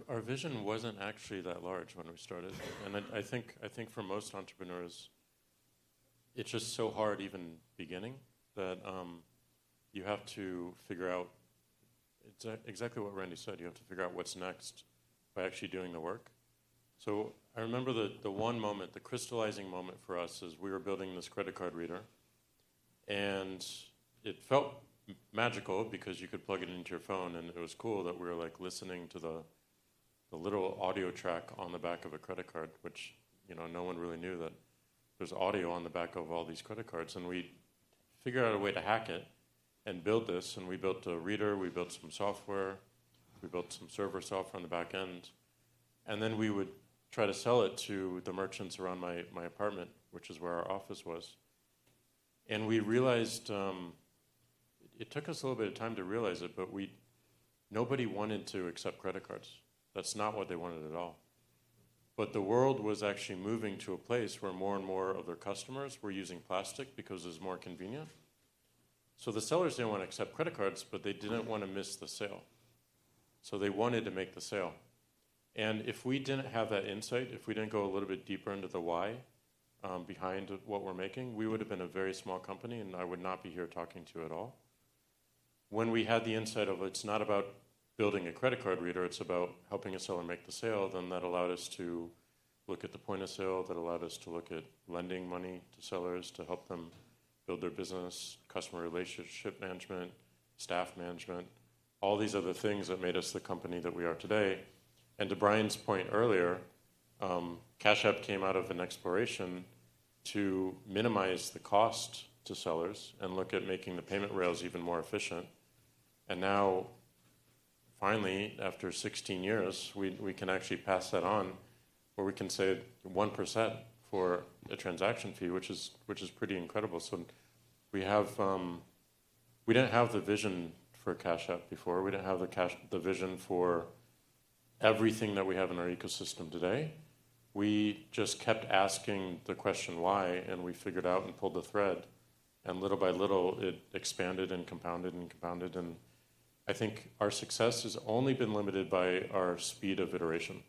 Our vision wasn't actually that large when we started. And I think for most entrepreneurs, it's just so hard even beginning that you have to figure out exactly what Randy said. You have to figure out what's next by actually doing the work. So I remember the one moment, the crystallizing moment for us is we were building this credit card reader. And it felt magical because you could plug it into your phone. And it was cool that we were like listening to the little audio track on the back of a credit card, which no one really knew that there's audio on the back of all these credit cards. And we figured out a way to hack it and build this. And we built a reader. We built some software. We built some server software on the back end. And then we would try to sell it to the merchants around my apartment, which is where our office was. And we realized it took us a little bit of time to realize it. But nobody wanted to accept credit cards. That's not what they wanted at all. But the world was actually moving to a place where more and more of their customers were using plastic because it was more convenient. So the sellers didn't want to accept credit cards, but they didn't want to miss the sale. So they wanted to make the sale. And if we didn't have that insight, if we didn't go a little bit deeper into the why behind what we're making, we would have been a very small company. And I would not be here talking to you at all. When we had the insight of it's not about building a credit card reader, it's about helping a seller make the sale, then that allowed us to look at the point of sale. That allowed us to look at lending money to sellers to help them build their business, customer relationship management, staff management, all these other things that made us the company that we are today. And to Brian's point earlier, Cash App came out of an exploration to minimize the cost to sellers and look at making the payment rails even more efficient. And now, finally, after 16 years, we can actually pass that on where we can save 1% for a transaction fee, which is pretty incredible. So we didn't have the vision for Cash App before. We didn't have the vision for everything that we have in our ecosystem today. We just kept asking the question, why? And we figured out and pulled the thread. And little by little, it expanded and compounded and compounded. And I think our success has only been limited by our speed of iteration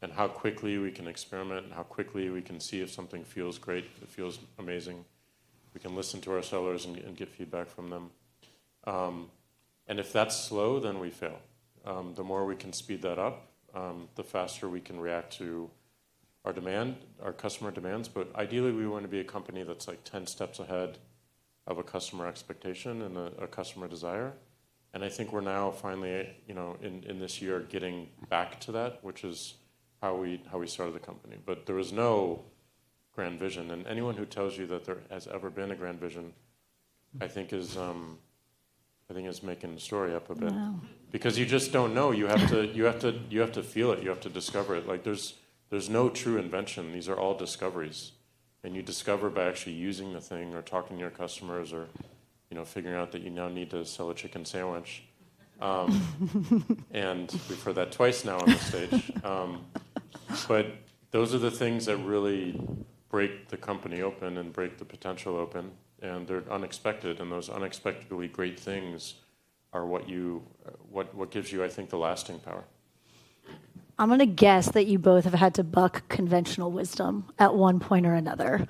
and how quickly we can experiment and how quickly we can see if something feels great. It feels amazing. We can listen to our sellers and get feedback from them. And if that's slow, then we fail. The more we can speed that up, the faster we can react to our demand, our customer demands. But ideally, we want to be a company that's like 10 steps ahead of a customer expectation and a customer desire. And I think we're now finally in this year getting back to that, which is how we started the company. But there was no grand vision. And anyone who tells you that there has ever been a grand vision, I think is making the story up a bit. Because you just don't know. You have to feel it. You have to discover it. There's no true invention. These are all discoveries. And you discover by actually using the thing or talking to your customers or figuring out that you now need to sell a chicken sandwich. And we've heard that twice now on this stage. But those are the things that really break the company open and break the potential open. And those unexpectedly great things are what gives you, I think, the lasting power. I'm going to guess that you both have had to buck conventional wisdom at one point or another.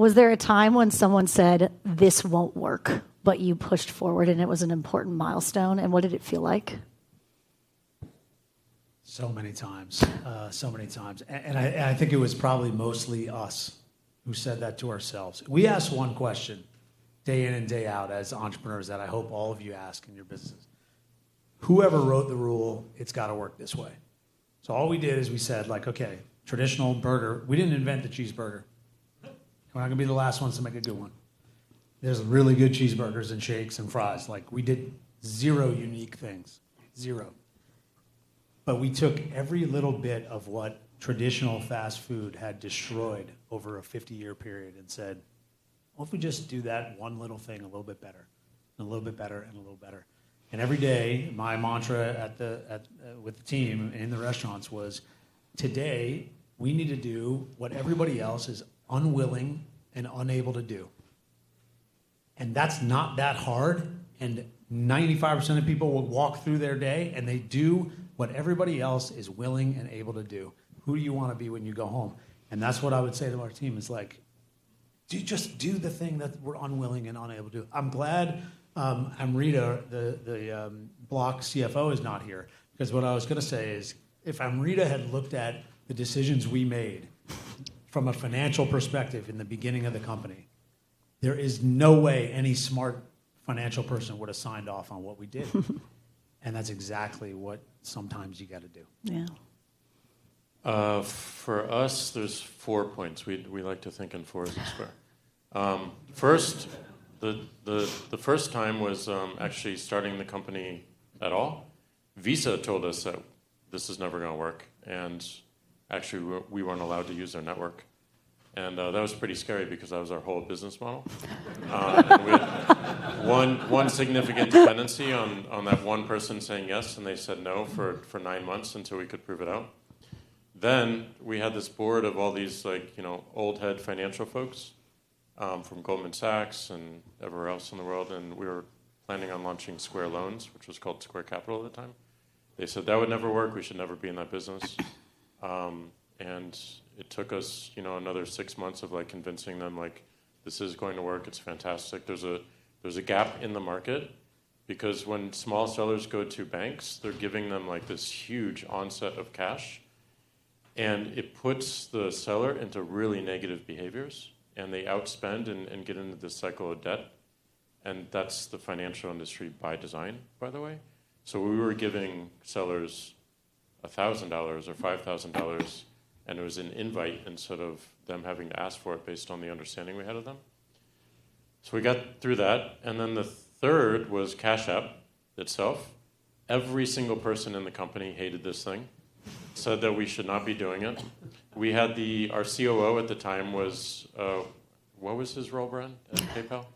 Was there a time when someone said, this won't work, but you pushed forward and it was an important milestone? And what did it feel like? So many times. So many times. And I think it was probably mostly us who said that to ourselves. We asked one question day in and day out as entrepreneurs that I hope all of you ask in your business. Whoever wrote the rule, it's got to work this way. So all we did is we said, like, ok, traditional burger. We didn't invent the cheeseburger. We're not going to be the last ones to make a good one. There's really good cheeseburgers and shakes and fries. We did zero unique things, zero. But we took every little bit of what traditional fast food had destroyed over a 50-year period and said, what if we just do that one little thing a little bit better, a little bit better, and a little better? Every day, my mantra with the team in the restaurants was, today, we need to do what everybody else is unwilling and unable to do. And that's not that hard. And 95% of people will walk through their day and they do what everybody else is willing and able to do. Who do you want to be when you go home? And that's what I would say to our team is, like, just do the thing that we're unwilling and unable to do. I'm glad Amrita, the Block CFO, is not here. Because what I was going to say is, if Amrita had looked at the decisions we made from a financial perspective in the beginning of the company, there is no way any smart financial person would have signed off on what we did. And that's exactly what sometimes you got to do. Yeah. For us, there's four points we like to think in for the Square. First, the first time was actually starting the company at all. Visa told us that this is never going to work. Actually, we weren't allowed to use their network. That was pretty scary because that was our whole business model. One significant dependency on that one person saying yes. They said no for nine months until we could prove it out. Then we had this board of all these old head financial folks from Goldman Sachs and everywhere else in the world. We were planning on launching Square Loans, which was called Square Capital at the time. They said that would never work. We should never be in that business. It took us another six months of convincing them, like, this is going to work. It's fantastic. There's a gap in the market. Because when small sellers go to banks, they're giving them this huge onslaught of cash. And it puts the seller into really negative behaviors. And they outspend and get into this cycle of debt. And that's the financial industry by design, by the way. So we were giving sellers $1,000 or $5,000. And it was an invite instead of them having to ask for it based on the understanding we had of them. So we got through that. And then the third was Cash App itself. Every single person in the company hated this thing, said that we should not be doing it. Our COO at the time was what was his role, Brian? PayPal?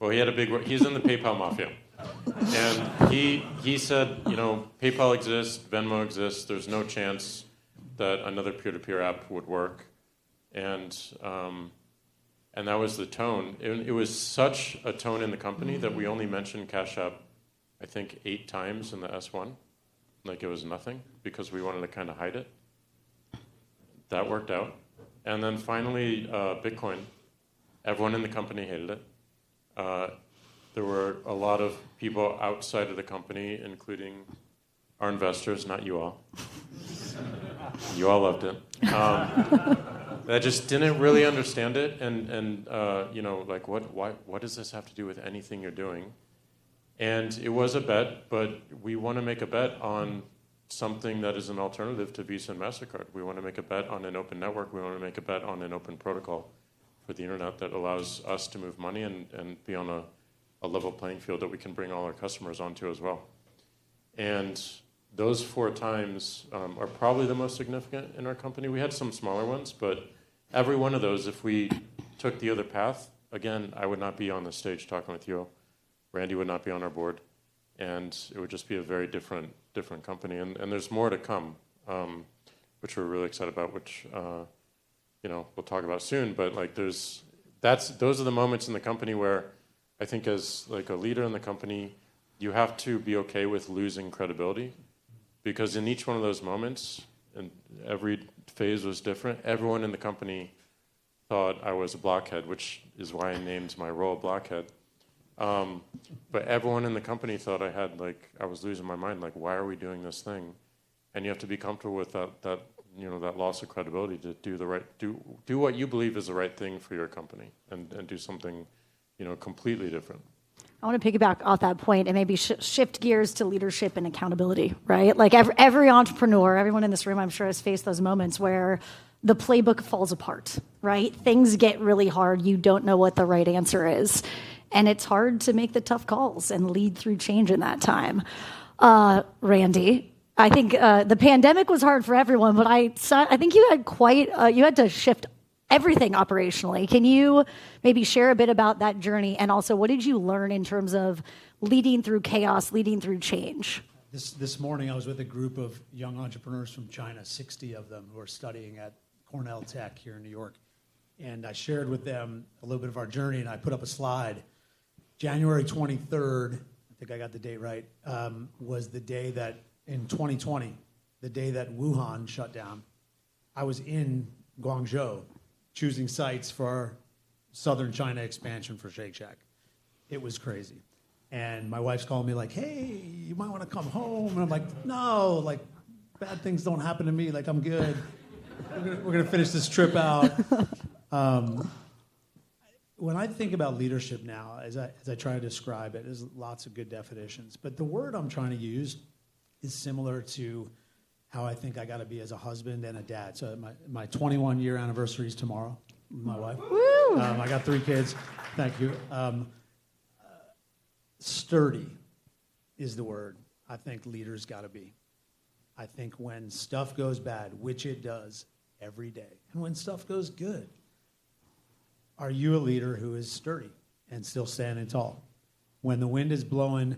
Well, he had a big role. He's in the PayPal mafia. And he said, you know, PayPal exists, Venmo exists. There's no chance that another peer-to-peer app would work. That was the tone. It was such a tone in the company that we only mentioned Cash App, I think, eight times in the S-1. Like, it was nothing because we wanted to kind of hide it. That worked out. And then finally, Bitcoin. Everyone in the company hated it. There were a lot of people outside of the company, including our investors, not you all. You all loved it. They just didn't really understand it. And like, what does this have to do with anything you're doing? And it was a bet. But we want to make a bet on something that is an alternative to Visa and Mastercard. We want to make a bet on an open network. We want to make a bet on an open protocol for the internet that allows us to move money and be on a level playing field that we can bring all our customers onto as well, and those four times are probably the most significant in our company. We had some smaller ones, but every one of those, if we took the other path, again, I would not be on the stage talking with you. Randy would not be on our board, and it would just be a very different company, and there's more to come, which we're really excited about, which we'll talk about soon, but those are the moments in the company where I think as a leader in the company, you have to be ok with losing credibility. Because in each one of those moments, and every phase was different, everyone in the company thought I was a Block Head, which is why I named my role Block Head. But everyone in the company thought I was losing my mind. Like, why are we doing this thing? And you have to be comfortable with that loss of credibility to do what you believe is the right thing for your company and do something completely different. I want to piggyback off that point and maybe shift gears to leadership and accountability. Right? Like, every entrepreneur, everyone in this room, I'm sure, has faced those moments where the playbook falls apart. Right? Things get really hard. You don't know what the right answer is. And it's hard to make the tough calls and lead through change in that time. Randy, I think the pandemic was hard for everyone. But I think you had to shift everything operationally. Can you maybe share a bit about that journey? And also, what did you learn in terms of leading through chaos, leading through change? This morning, I was with a group of young entrepreneurs from China, 60 of them who are studying at Cornell Tech here in New York, and I shared with them a little bit of our journey, and I put up a slide. January 23, I think I got the date right, was the day that, in 2020, the day that Wuhan shut down. I was in Guangzhou choosing sites for our southern China expansion for Shake Shack. It was crazy, and my wife's calling me like, "Hey, you might want to come home," and I'm like, "No." Like, bad things don't happen to me. Like, I'm good. We're going to finish this trip out. When I think about leadership now, as I try to describe it, there's lots of good definitions. But the word I'm trying to use is similar to how I think I got to be as a husband and a dad. So my 21-year anniversary is tomorrow. Woo! I got three kids. Thank you. Sturdy is the word I think leaders got to be. I think when stuff goes bad, which it does every day, and when stuff goes good, are you a leader who is sturdy and still standing tall? When the wind is blowing,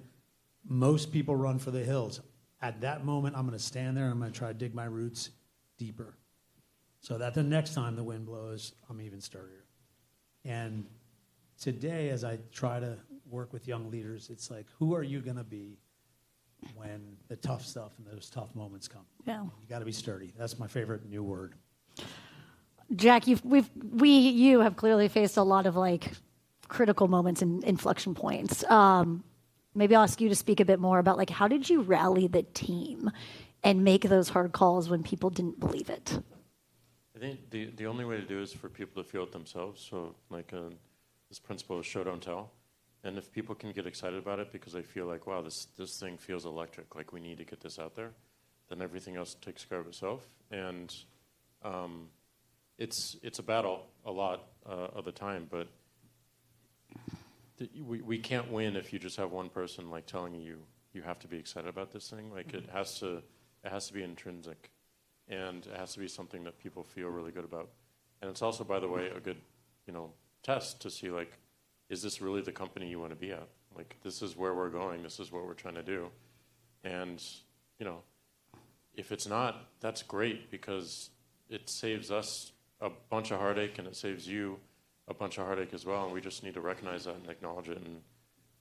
most people run for the hills. At that moment, I'm going to stand there, and I'm going to try to dig my roots deeper so that the next time the wind blows, I'm even sturdier, and today, as I try to work with young leaders, it's like, who are you going to be when the tough stuff and those tough moments come? Yeah. You got to be sturdy. That's my favorite new word. Jack, you have clearly faced a lot of critical moments and inflection points. Maybe I'll ask you to speak a bit more about how did you rally the team and make those hard calls when people didn't believe it? I think the only way to do it is for people to feel it themselves. So this principle of show, don't tell. And if people can get excited about it because they feel like, wow, this thing feels electric, like we need to get this out there, then everything else takes care of itself. And it's a battle a lot of the time. But we can't win if you just have one person telling you you have to be excited about this thing. It has to be intrinsic. And it has to be something that people feel really good about. And it's also, by the way, a good test to see, like, is this really the company you want to be at? This is where we're going. This is what we're trying to do. And if it's not, that's great because it saves us a bunch of heartache. And it saves you a bunch of heartache as well. And we just need to recognize that and acknowledge it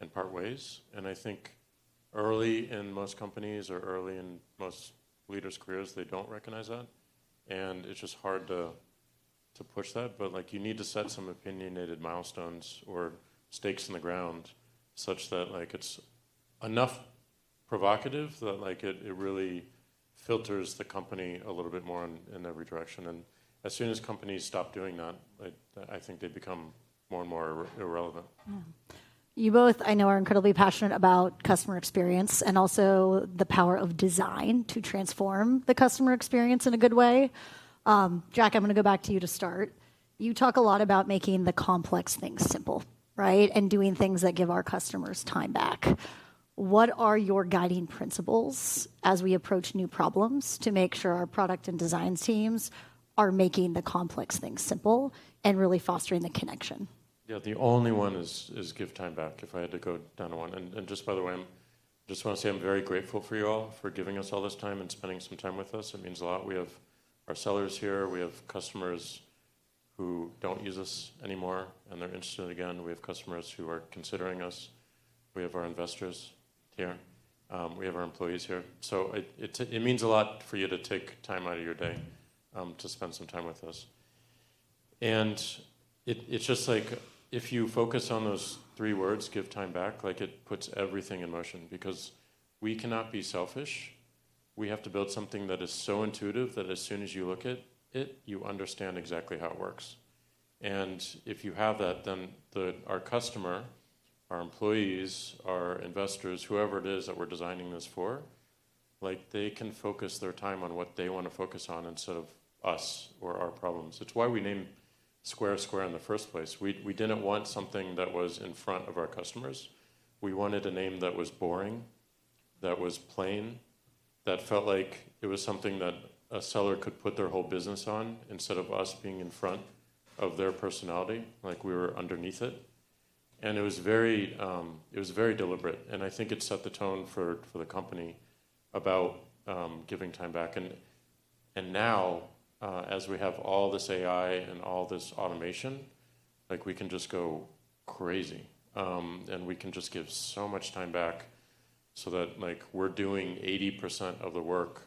in part ways. And I think early in most companies or early in most leaders' careers, they don't recognize that. And it's just hard to push that. But you need to set some opinionated milestones or stakes in the ground such that it's enough provocative that it really filters the company a little bit more in every direction. And as soon as companies stop doing that, I think they become more and more irrelevant. You both, I know, are incredibly passionate about customer experience and also the power of design to transform the customer experience in a good way. Jack, I'm going to go back to you to start. You talk a lot about making the complex things simple, right, and doing things that give our customers time back. What are your guiding principles as we approach new problems to make sure our product and design teams are making the complex things simple and really fostering the connection? Yeah, the only one is give time back if I had to go down to one, and just by the way, I just want to say I'm very grateful for you all for giving us all this time and spending some time with us. It means a lot. We have our sellers here. We have customers who don't use us anymore, and they're interested again. We have customers who are considering us. We have our investors here. We have our employees here, so it means a lot for you to take time out of your day to spend some time with us, and it's just like, if you focus on those three words, give time back, like, it puts everything in motion. Because we cannot be selfish. We have to build something that is so intuitive that as soon as you look at it, you understand exactly how it works. And if you have that, then our customer, our employees, our investors, whoever it is that we're designing this for, like, they can focus their time on what they want to focus on instead of us or our problems. It's why we named Square Square in the first place. We didn't want something that was in front of our customers. We wanted a name that was boring, that was plain, that felt like it was something that a seller could put their whole business on instead of us being in front of their personality. Like, we were underneath it. And it was very deliberate. And I think it set the tone for the company about giving time back. And now, as we have all this AI and all this automation, like, we can just go crazy. We can just give so much time back so that we're doing 80% of the work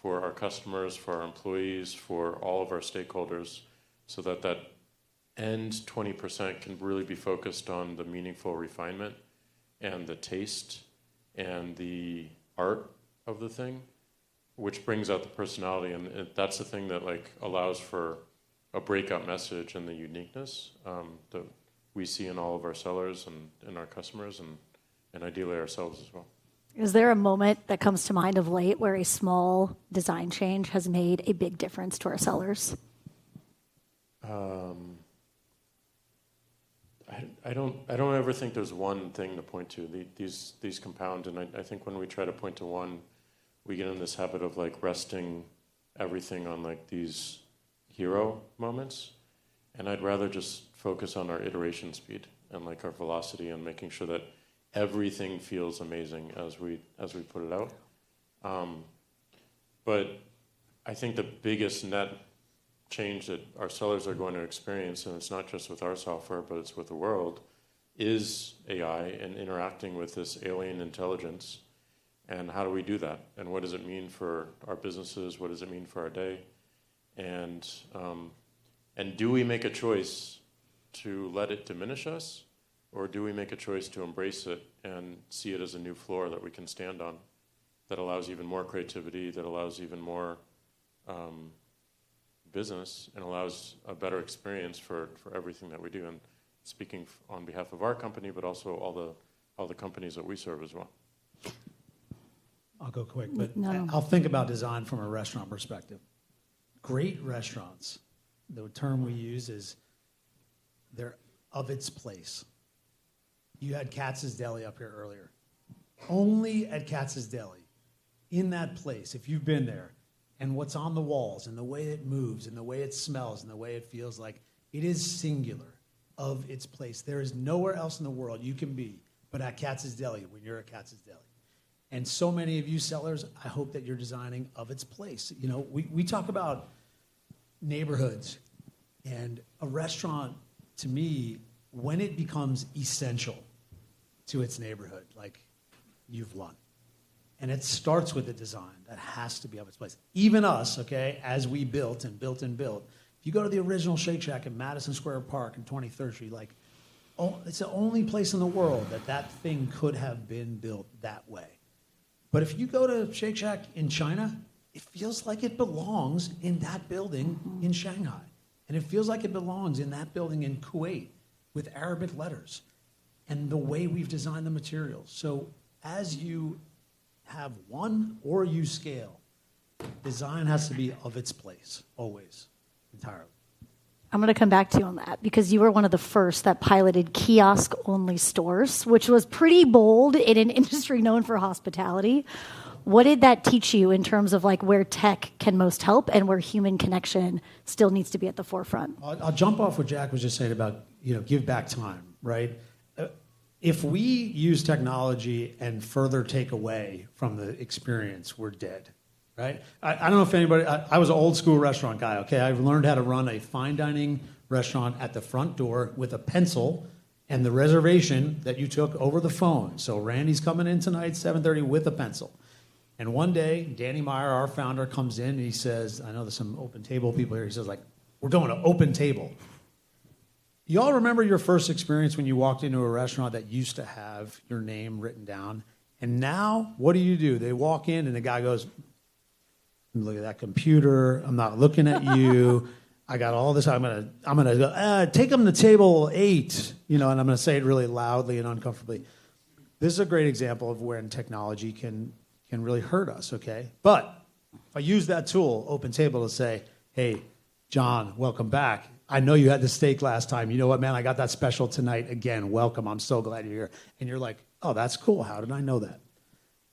for our customers, for our employees, for all of our stakeholders so that that end 20% can really be focused on the meaningful refinement and the taste and the art of the thing, which brings out the personality. That's the thing that allows for a breakout message and the uniqueness that we see in all of our sellers and our customers and ideally ourselves as well. Is there a moment that comes to mind of late where a small design change has made a big difference to our sellers? I don't ever think there's one thing to point to. These compound. And I think when we try to point to one, we get in this habit of resting everything on these hero moments. And I'd rather just focus on our iteration speed and our velocity and making sure that everything feels amazing as we put it out. But I think the biggest net change that our sellers are going to experience, and it's not just with our software, but it's with the world, is AI and interacting with this alien intelligence. And how do we do that? And what does it mean for our businesses? What does it mean for our day? And do we make a choice to let it diminish us? Or do we make a choice to embrace it and see it as a new floor that we can stand on that allows even more creativity, that allows even more business, and allows a better experience for everything that we do? And speaking on behalf of our company, but also all the companies that we serve as well. I'll go quick. No. I'll think about design from a restaurant perspective. Great restaurants, the term we use is they're of its place. You had Katz's Deli up here earlier. Only at Katz's Deli, in that place, if you've been there, and what's on the walls and the way it moves and the way it smells and the way it feels like, it is singular, of its place. There is nowhere else in the world you can be but at Katz's Deli when you're at Katz's Deli, and so many of you sellers, I hope that you're designing of its place. We talk about neighborhoods, and a restaurant, to me, when it becomes essential to its neighborhood, like, you've won, and it starts with the design. That has to be of its place. Even us, ok, as we built and built and built, if you go to the original Shake Shack in Madison Square Park in 2013, like, it's the only place in the world that that thing could have been built that way. But if you go to Shake Shack in China, it feels like it belongs in that building in Shanghai. And it feels like it belongs in that building in Kuwait with Arabic letters and the way we've designed the materials. So as you have one or you scale, design has to be of its place always, entirely. I'm going to come back to you on that because you were one of the first that piloted kiosk-only stores, which was pretty bold in an industry known for hospitality. What did that teach you in terms of where tech can most help and where human connection still needs to be at the forefront? I'll jump off what Jack was just saying about give back time. Right? If we use technology and further take away from the experience, we're dead. Right? I don't know if anybody I was an old-school restaurant guy. ok? I've learned how to run a fine dining restaurant at the front door with a pencil and the reservation that you took over the phone. So Randy's coming in tonight, 7:30 P.M., with a pencil. And one day, Danny Meyer, our founder, comes in. And he says, I know there's some OpenTable people here. He says, like, we're doing an OpenTable. You all remember your first experience when you walked into a restaurant that used to have your name written down? And now, what do you do? They walk in. And the guy goes, look at that computer. I'm not looking at you. I got all this out. I'm going to go, take them to table eight. You know, and I'm going to say it really loudly and uncomfortably. This is a great example of where technology can really hurt us. ok? But if I use that tool, OpenTable, to say, hey, John, welcome back. I know you had the steak last time. You know what, man? I got that special tonight. Again, welcome. I'm so glad you're here. And you're like, oh, that's cool. How did I know that?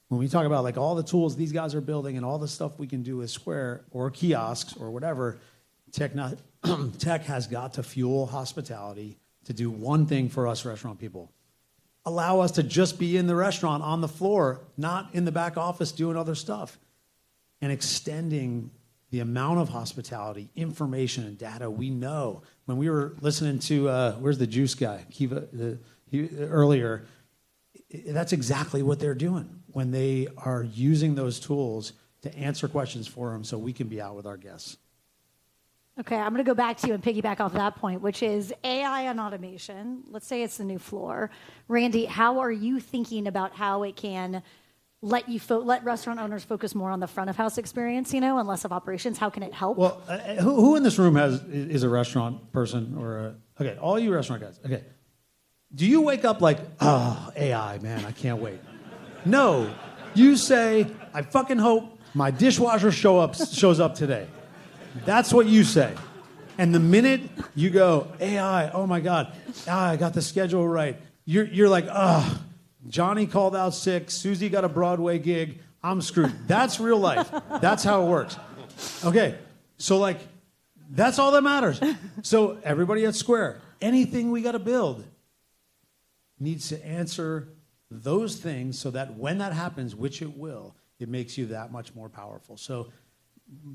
When we talk about all the tools these guys are building and all the stuff we can do with Square or kiosks or whatever, tech has got to fuel hospitality to do one thing for us restaurant people. Allow us to just be in the restaurant on the floor, not in the back office doing other stuff, and extending the amount of hospitality, information, and data we know. When we were listening to "Where's the Juice Guy?" earlier, that's exactly what they're doing when they are using those tools to answer questions for them so we can be out with our guests. Ok, I'm going to go back to you and piggyback off that point, which is AI and automation. Let's say it's the new floor. Randy, how are you thinking about how it can let restaurant owners focus more on the front-of-house experience, you know, and less of operations? How can it help? Well, who in this room is a restaurant person? Ok, all you restaurant guys. ok. Do you wake up like, AI, man, I can't wait? No. You say, I fucking hope my dishwasher shows up today. That's what you say and the minute you go, AI, oh my god, I got the schedule right, you're like, Johnny called out sick. Susie got a Broadway gig. I'm screwed. That's real life. That's how it works. ok, so like, that's all that matters, so everybody at Square, anything we got to build needs to answer those things so that when that happens, which it will, it makes you that much more powerful, so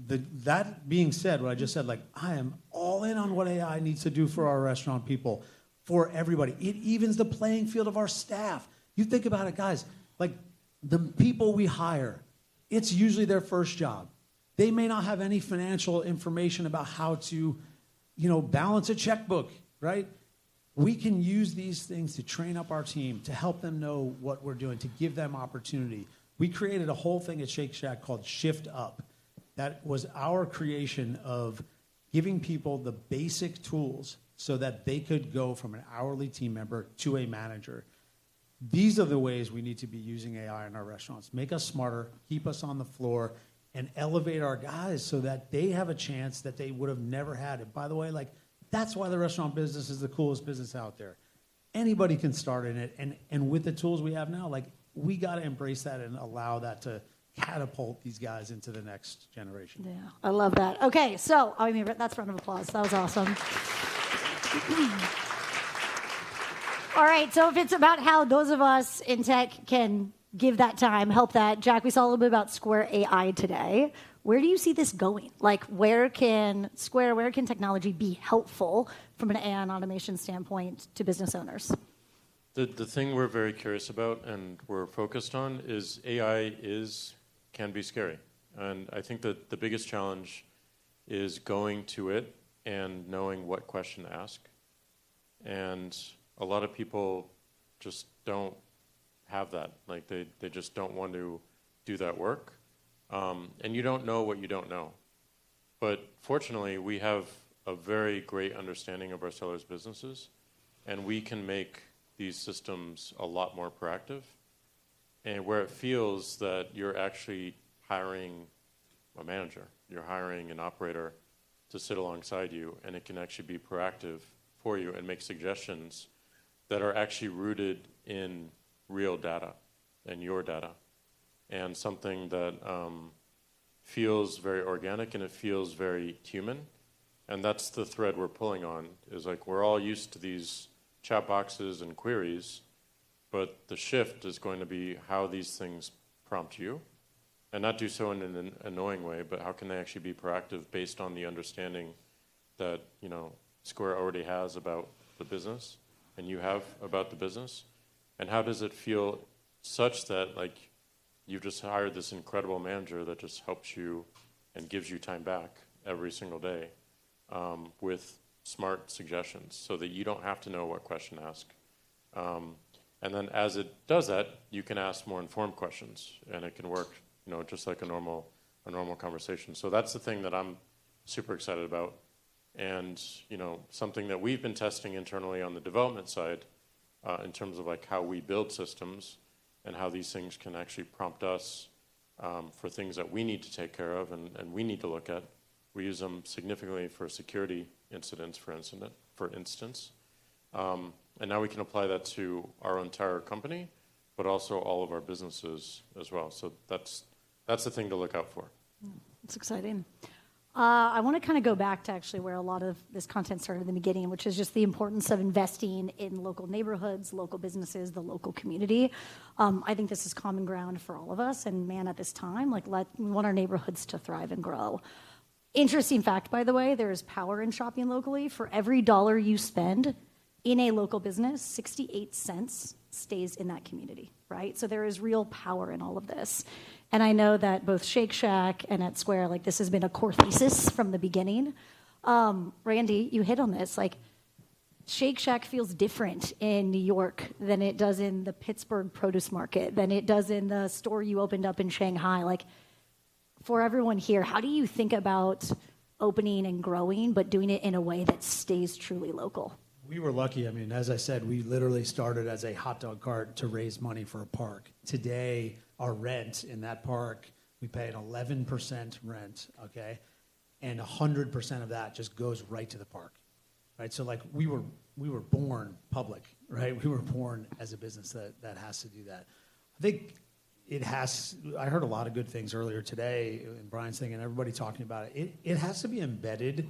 that being said, what I just said, like, I am all in on what AI needs to do for our restaurant people, for everybody. It evens the playing field of our staff. You think about it, guys. Like, the people we hire, it's usually their first job. They may not have any financial information about how to balance a checkbook, right? We can use these things to train up our team, to help them know what we're doing, to give them opportunity. We created a whole thing at Shake Shack called Shift Up. That was our creation of giving people the basic tools so that they could go from an hourly team member to a manager. These are the ways we need to be using AI in our restaurants. Make us smarter, keep us on the floor, and elevate our guys so that they have a chance that they would have never had. And by the way, like, that's why the restaurant business is the coolest business out there. Anybody can start in it. And with the tools we have now, like, we got to embrace that and allow that to catapult these guys into the next generation. Yeah, I love that. ok, so I mean, that's a round of applause. That was awesome. All right, so if it's about how those of us in tech can give that time, help that, Jack, we saw a little bit about Square AI today. Where do you see this going? Like, where can Square, where can technology be helpful from an AI and automation standpoint to business owners? The thing we're very curious about and we're focused on is, AI can be scary. And I think that the biggest challenge is going to it and knowing what question to ask. And a lot of people just don't have that. Like, they just don't want to do that work. And you don't know what you don't know. But fortunately, we have a very great understanding of our sellers' businesses. And we can make these systems a lot more proactive. And where it feels that you're actually hiring a manager, you're hiring an operator to sit alongside you. And it can actually be proactive for you and make suggestions that are actually rooted in real data and your data and something that feels very organic and it feels very human. And that's the thread we're pulling on is like, we're all used to these chat boxes and queries. But the shift is going to be how these things prompt you and not do so in an annoying way, but how can they actually be proactive based on the understanding that Square already has about the business and you have about the business? And how does it feel such that, like, you've just hired this incredible manager that just helps you and gives you time back every single day with smart suggestions so that you don't have to know what question to ask? And then as it does that, you can ask more informed questions. And it can work just like a normal conversation. So that's the thing that I'm super excited about and something that we've been testing internally on the development side in terms of how we build systems and how these things can actually prompt us for things that we need to take care of and we need to look at. We use them significantly for security incidents, for instance. And now we can apply that to our entire company, but also all of our businesses as well. So that's the thing to look out for. That's exciting. I want to kind of go back to actually where a lot of this content started in the beginning, which is just the importance of investing in local neighborhoods, local businesses, the local community. I think this is common ground for all of us. And man, at this time, we want our neighborhoods to thrive and grow. Interesting fact, by the way, there is power in shopping locally. For every $1 you spend in a local business, $0.68 stays in that community. Right? So there is real power in all of this. And I know that both Shake Shack and at Square, like, this has been a core thesis from the beginning. Randy, you hit on this. Like, Shake Shack feels different in New York than it does in the Pittsburgh produce market than it does in the store you opened up in Shanghai. Like, for everyone here, how do you think about opening and growing but doing it in a way that stays truly local? We were lucky. I mean, as I said, we literally started as a hot dog cart to raise money for a park. Today, our rent in that park, we pay an 11% rent, ok? And 100% of that just goes right to the park. Right? So like, we were born public. Right? We were born as a business that has to do that. I think I heard a lot of good things earlier today in Brian's thing and everybody talking about it. It has to be embedded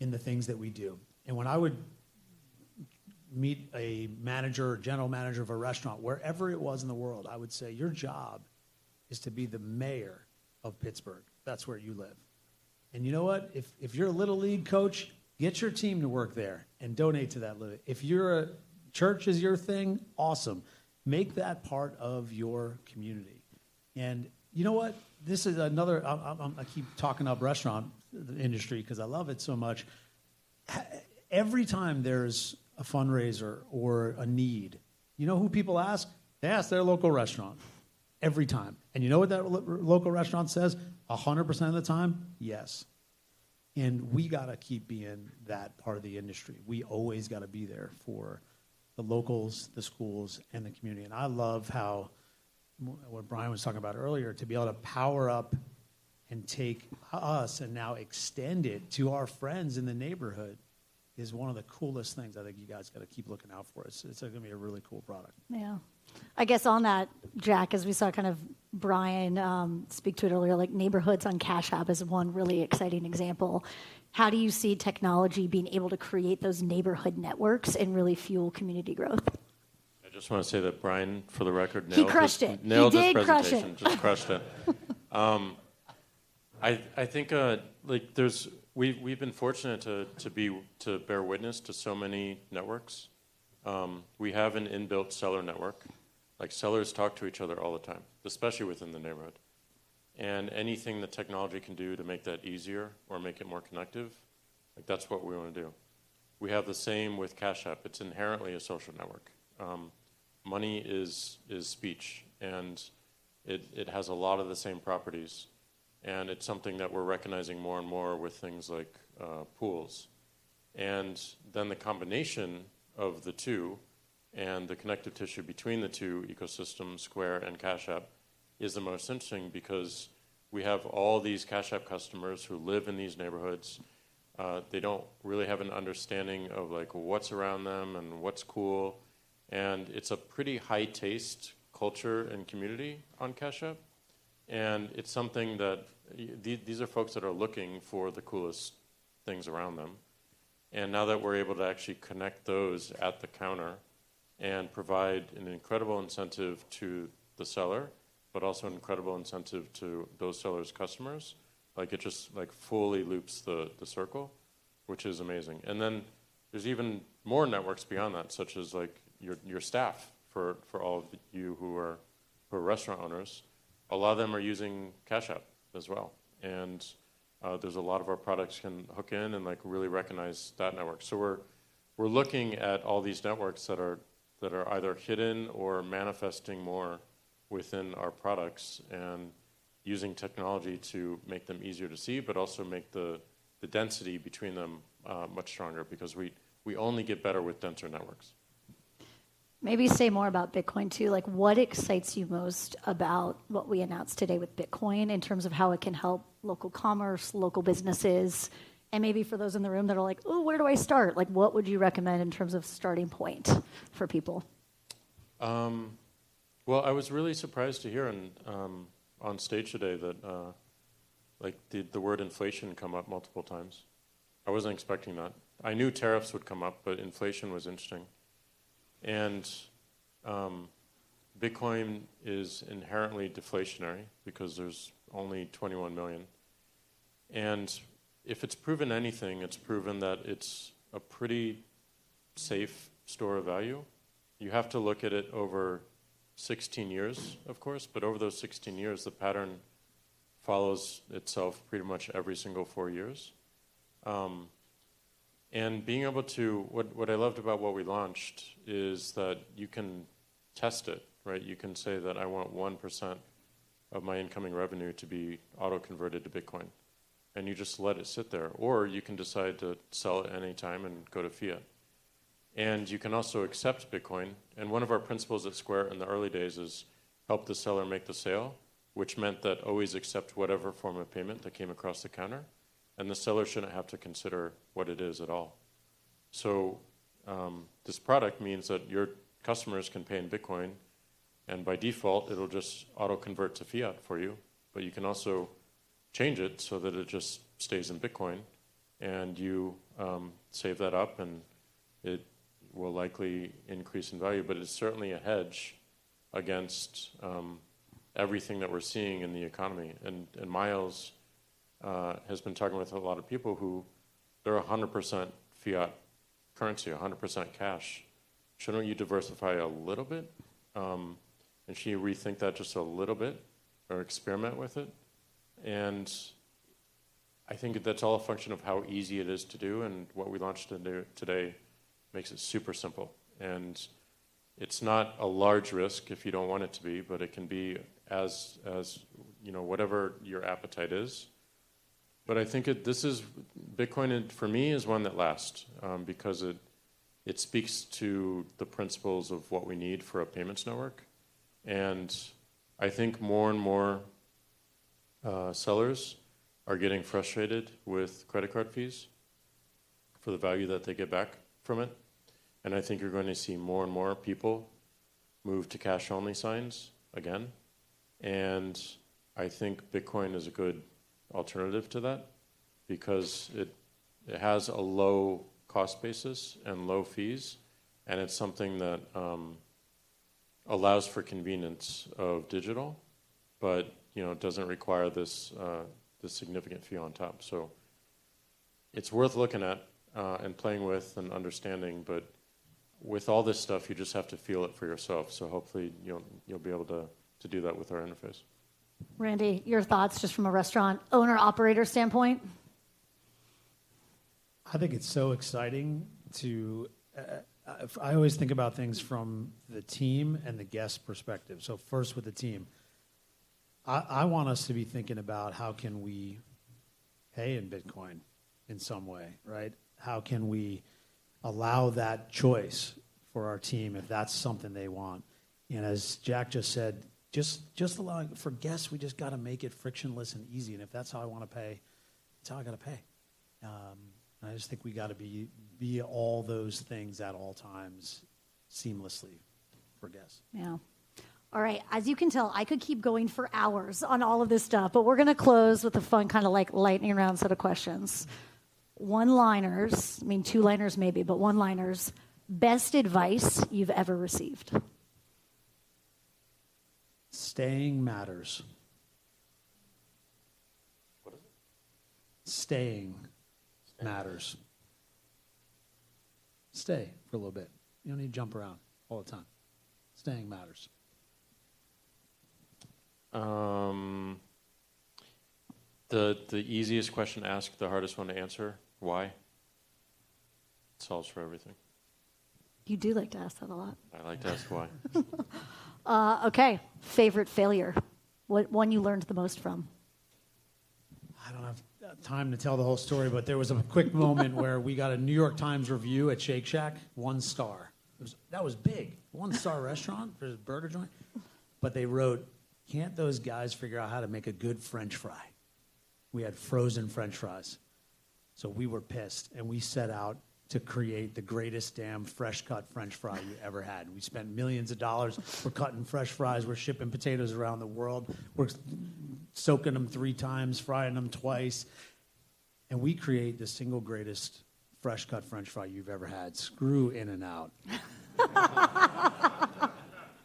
in the things that we do. And when I would meet a manager, a general manager of a restaurant, wherever it was in the world, I would say, your job is to be the mayor of Pittsburgh. That's where you live. And you know what? If you're a Little League coach, get your team to work there and donate to that Little League. If you're a church is your thing, awesome. Make that part of your community. And you know what? This is another I keep talking up restaurant industry because I love it so much. Every time there's a fundraiser or a need, you know who people ask? They ask their local restaurant every time. And you know what that local restaurant says? 100% of the time, yes. And we got to keep being that part of the industry. We always got to be there for the locals, the schools, and the community. And I love how what Brian was talking about earlier, to be able to power up and take us, and now extend it to our friends in the neighborhood, is one of the coolest things I think you guys got to keep looking out for. It's going to be a really cool product. Yeah. I guess on that, Jack, as we saw kind of Brian speak to it earlier, like, Neighborhoods on Cash App is one really exciting example. How do you see technology being able to create those neighborhood networks and really fuel community growth? I just want to say that Brian, for the record, nailed his prediction. He crushed it. Nailed his prediction. Just crushed it. I think we've been fortunate to bear witness to so many networks. We have an inbuilt seller network. Like, sellers talk to each other all the time, especially within the neighborhood. And anything that technology can do to make that easier or make it more connective, that's what we want to do. We have the same with Cash App. It's inherently a social network. Money is speech. And it has a lot of the same properties. And it's something that we're recognizing more and more with things like pools. And then the combination of the two and the connective tissue between the two ecosystems, Square and Cash App, is the most interesting because we have all these Cash App customers who live in these neighborhoods. They don't really have an understanding of what's around them and what's cool. It's a pretty high-taste culture and community on Cash App. It's something that these are folks that are looking for the coolest things around them. Now that we're able to actually connect those at the counter and provide an incredible incentive to the seller, but also an incredible incentive to those sellers' customers, like, it just fully loops the circle, which is amazing. There's even more networks beyond that, such as your staff. For all of you who are restaurant owners, a lot of them are using Cash App as well. There's a lot of our products can hook in and really recognize that network. So we're looking at all these networks that are either hidden or manifesting more within our products, and using technology to make them easier to see, but also make the density between them much stronger, because we only get better with denser networks. Maybe say more about Bitcoin, too. Like, what excites you most about what we announced today with Bitcoin in terms of how it can help local commerce, local businesses? And maybe for those in the room that are like, oh, where do I start? Like, what would you recommend in terms of starting point for people? I was really surprised to hear on stage today that the word inflation come up multiple times. I wasn't expecting that. I knew tariffs would come up, but inflation was interesting, and Bitcoin is inherently deflationary because there's only 21 million, and if it's proven anything, it's proven that it's a pretty safe store of value. You have to look at it over 16 years, of course, but over those 16 years, the pattern follows itself pretty much every single four years, and being able to what I loved about what we launched is that you can test it, right? You can say that I want 1% of my incoming revenue to be auto-converted to Bitcoin, and you just let it sit there, or you can decide to sell at any time and go to fiat, and you can also accept Bitcoin. And one of our principles at Square in the early days is help the seller make the sale, which meant that always accept whatever form of payment that came across the counter. And the seller shouldn't have to consider what it is at all. So this product means that your customers can pay in Bitcoin. And by default, it'll just auto-convert to fiat for you. But you can also change it so that it just stays in Bitcoin. And you save that up. And it will likely increase in value. But it's certainly a hedge against everything that we're seeing in the economy. And Miles has been talking with a lot of people who they're 100% fiat currency, 100% cash. Shouldn't you diversify a little bit? And should you rethink that just a little bit or experiment with it? And I think that's all a function of how easy it is to do. And what we launched today makes it super simple. And it's not a large risk if you don't want it to be. But it can be as whatever your appetite is. But I think this is Bitcoin, for me, is one that lasts because it speaks to the principles of what we need for a payments network. And I think more and more sellers are getting frustrated with credit card fees for the value that they get back from it. And I think you're going to see more and more people move to cash-only signs again. And I think Bitcoin is a good alternative to that because it has a low cost basis and low fees. And it's something that allows for convenience of digital, but doesn't require this significant fee on top. So it's worth looking at and playing with and understanding. But with all this stuff, you just have to feel it for yourself. So hopefully, you'll be able to do that with our interface. Randy, your thoughts just from a restaurant owner-operator standpoint? I think it's so exciting too. I always think about things from the team and the guest perspective. So first, with the team, I want us to be thinking about how can we pay in Bitcoin in some way, right? How can we allow that choice for our team if that's something they want? And as Jack just said, just allowing for guests, we just got to make it frictionless and easy. And if that's how I want to pay, that's how I got to pay. And I just think we got to be all those things at all times seamlessly for guests. Yeah. All right. As you can tell, I could keep going for hours on all of this stuff. But we're going to close with a fun kind of like lightning round set of questions. One-liners, I mean, two-liners maybe, but one-liners, best advice you've ever received? Staying matters. What is it? Staying matters. Stay for a little bit. You don't need to jump around all the time. Staying matters. The easiest question to ask, the hardest one to answer, why? It solves for everything. You do like to ask that a lot. I like to ask why. Ok. Favorite failure, one you learned the most from? I don't have time to tell the whole story. But there was a quick moment where we got a New York Times review at Shake Shack, one star. That was big, one-star restaurant for a burger joint. But they wrote, "Can't those guys figure out how to make a good French fry?" We had frozen French fries. So we were pissed. And we set out to create the greatest damn fresh-cut French fry we ever had. We spent millions of dollars. We're cutting fresh fries. We're shipping potatoes around the world. We're soaking them three times, frying them twice. And we create the single greatest fresh-cut French fry you've ever had. Screw In-N-Out.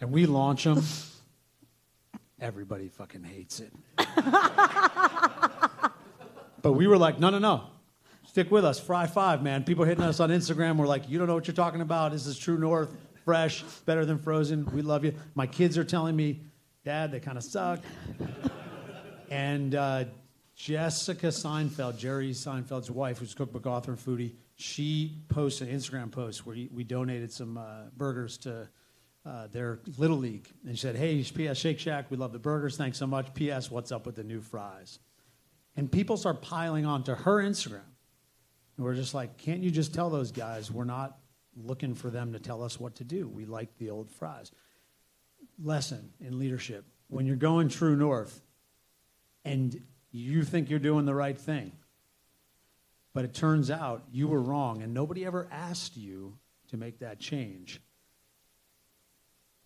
And we launch them. Everybody fucking hates it. But we were like, no, no, no. Stick with us. Fry five, man. People hitting us on Instagram were like, "you don't know what you're talking about. This is true north, fresh, better than frozen. We love you. My kids are telling me, "Dad, they kind of suck." And Jessica Seinfeld, Jerry Seinfeld's wife, who's a cookbook author and foodie, she posts an Instagram post where we donated some burgers to their Little League. And she said, "Hey, Shake Shack, we love the burgers. Thanks so much. PS, what's up with the new fries?" And people start piling onto her Instagram. And we're just like, "Can't you just tell those guys we're not looking for them to tell us what to do? We like the old fries." Lesson in leadership. When you're going true north and you think you're doing the right thing, but it turns out you were wrong and nobody ever asked you to make that change,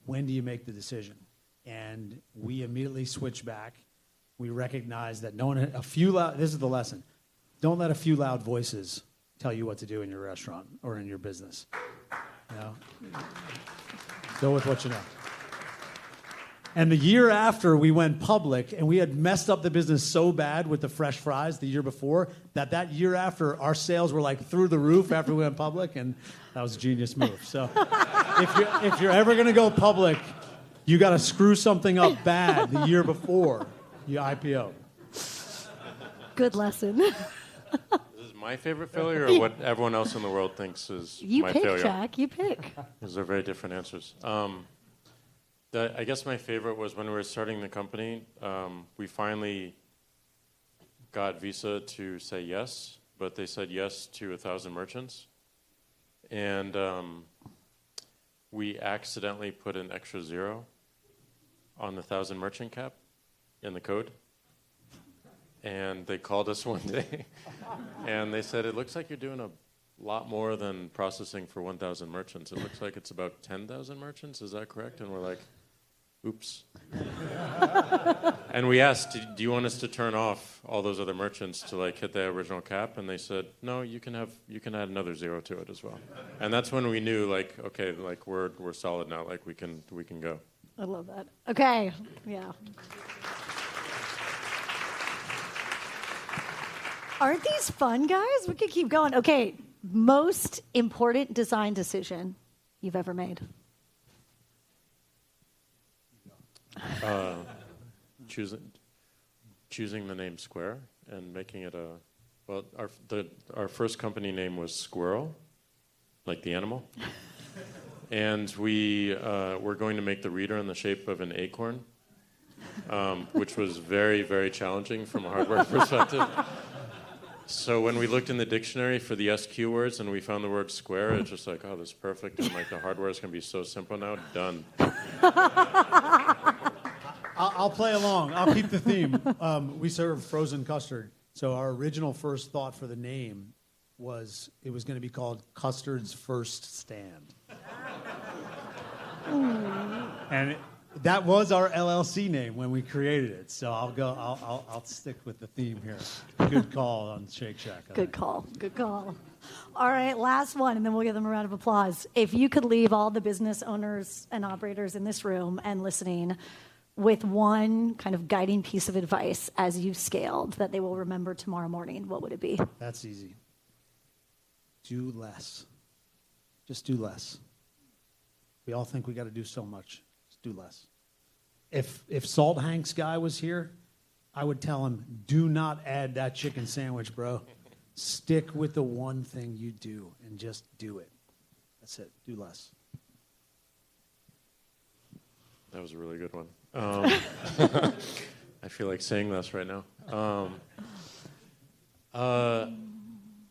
when do you make the decision? And we immediately switch back. We recognize that no one. This is the lesson. Don't let a few loud voices tell you what to do in your restaurant or in your business. Go with what you know. And the year after, we went public. And we had messed up the business so bad with the fresh fries the year before that year after, our sales were like through the roof after we went public. And that was a genius move. So if you're ever going to go public, you got to screw something up bad the year before you IPO. Good lesson. This is my favorite failure or what everyone else in the world thinks is my failure? You pick, Jack. You pick. Those are very different answers. I guess my favorite was when we were starting the company, we finally got Visa to say yes. But they said yes to 1,000 merchants. And we accidentally put an extra zero on the 1,000 merchant cap in the code. And they called us one day. And they said, it looks like you're doing a lot more than processing for 1,000 merchants. It looks like it's about 10,000 merchants. Is that correct? And we're like, oops. And we asked, do you want us to turn off all those other merchants to hit the original cap? And they said, no, you can add another zero to it as well. And that's when we knew, like, ok, we're solid now. We can go. I love that. Ok. Yeah. Aren't these fun guys? We could keep going. Ok. Most important design decision you've ever made? Choosing the name Square and making it, well, our first company name was Squirrel, like the animal, and we were going to make the reader in the shape of an acorn, which was very, very challenging from a hardware perspective, so when we looked in the dictionary for the SQ words and we found the word square, it's just like, oh, this is perfect, and the hardware is going to be so simple now, done. I'll play along. I'll keep the theme. We serve frozen custard, so our original first thought for the name was it was going to be called Custard's First Stand, and that was our LLC name when we created it, so I'll stick with the theme here. Good call on Shake Shack. Good call. Good call. All right, last one. And then we'll give them a round of applause. If you could leave all the business owners and operators in this room and listening with one kind of guiding piece of advice as you've scaled that they will remember tomorrow morning, what would it be? That's easy. Do less. Just do less. We all think we got to do so much. Just do less. If Shake Shack guy was here, I would tell him, do not add that chicken sandwich, bro. Stick with the one thing you do and just do it. That's it. Do less. That was a really good one. I feel like saying less right now.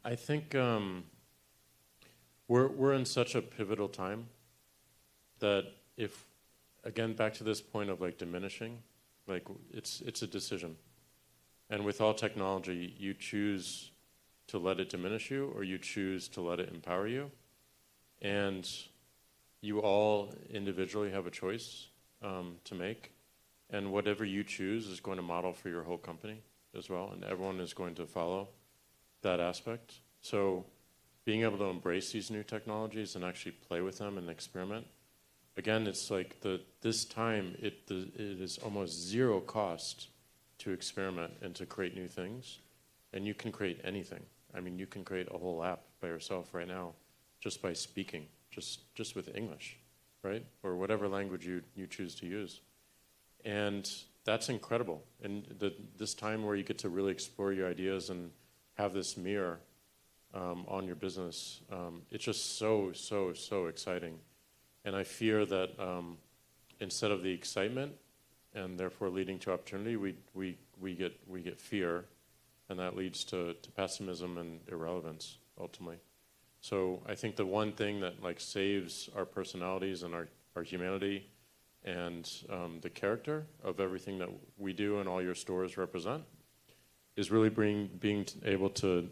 I think we're in such a pivotal time that if, again, back to this point of diminishing, it's a decision. And with all technology, you choose to let it diminish you or you choose to let it empower you. And you all individually have a choice to make. And whatever you choose is going to model for your whole company as well. And everyone is going to follow that aspect. So being able to embrace these new technologies and actually play with them and experiment, again, it's like this time, it is almost zero cost to experiment and to create new things. And you can create anything. I mean, you can create a whole app by yourself right now just by speaking, just with English, right, or whatever language you choose to use. And that's incredible. And this time where you get to really explore your ideas and have this mirror on your business, it's just so, so, so exciting. And I fear that instead of the excitement and therefore leading to opportunity, we get fear. And that leads to pessimism and irrelevance, ultimately. So I think the one thing that saves our personalities and our humanity and the character of everything that we do and all your stores represent is really being able to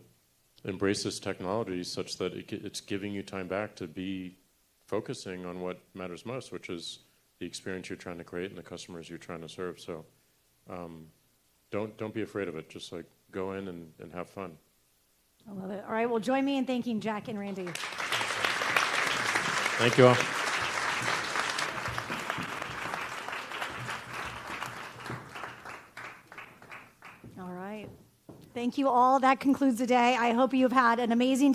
embrace this technology such that it's giving you time back to be focusing on what matters most, which is the experience you're trying to create and the customers you're trying to serve. So don't be afraid of it. Just go in and have fun. I love it. All right, well, join me in thanking Jack and Randy. Thank you all. All right. Thank you all. That concludes the day. I hope you've had an amazing.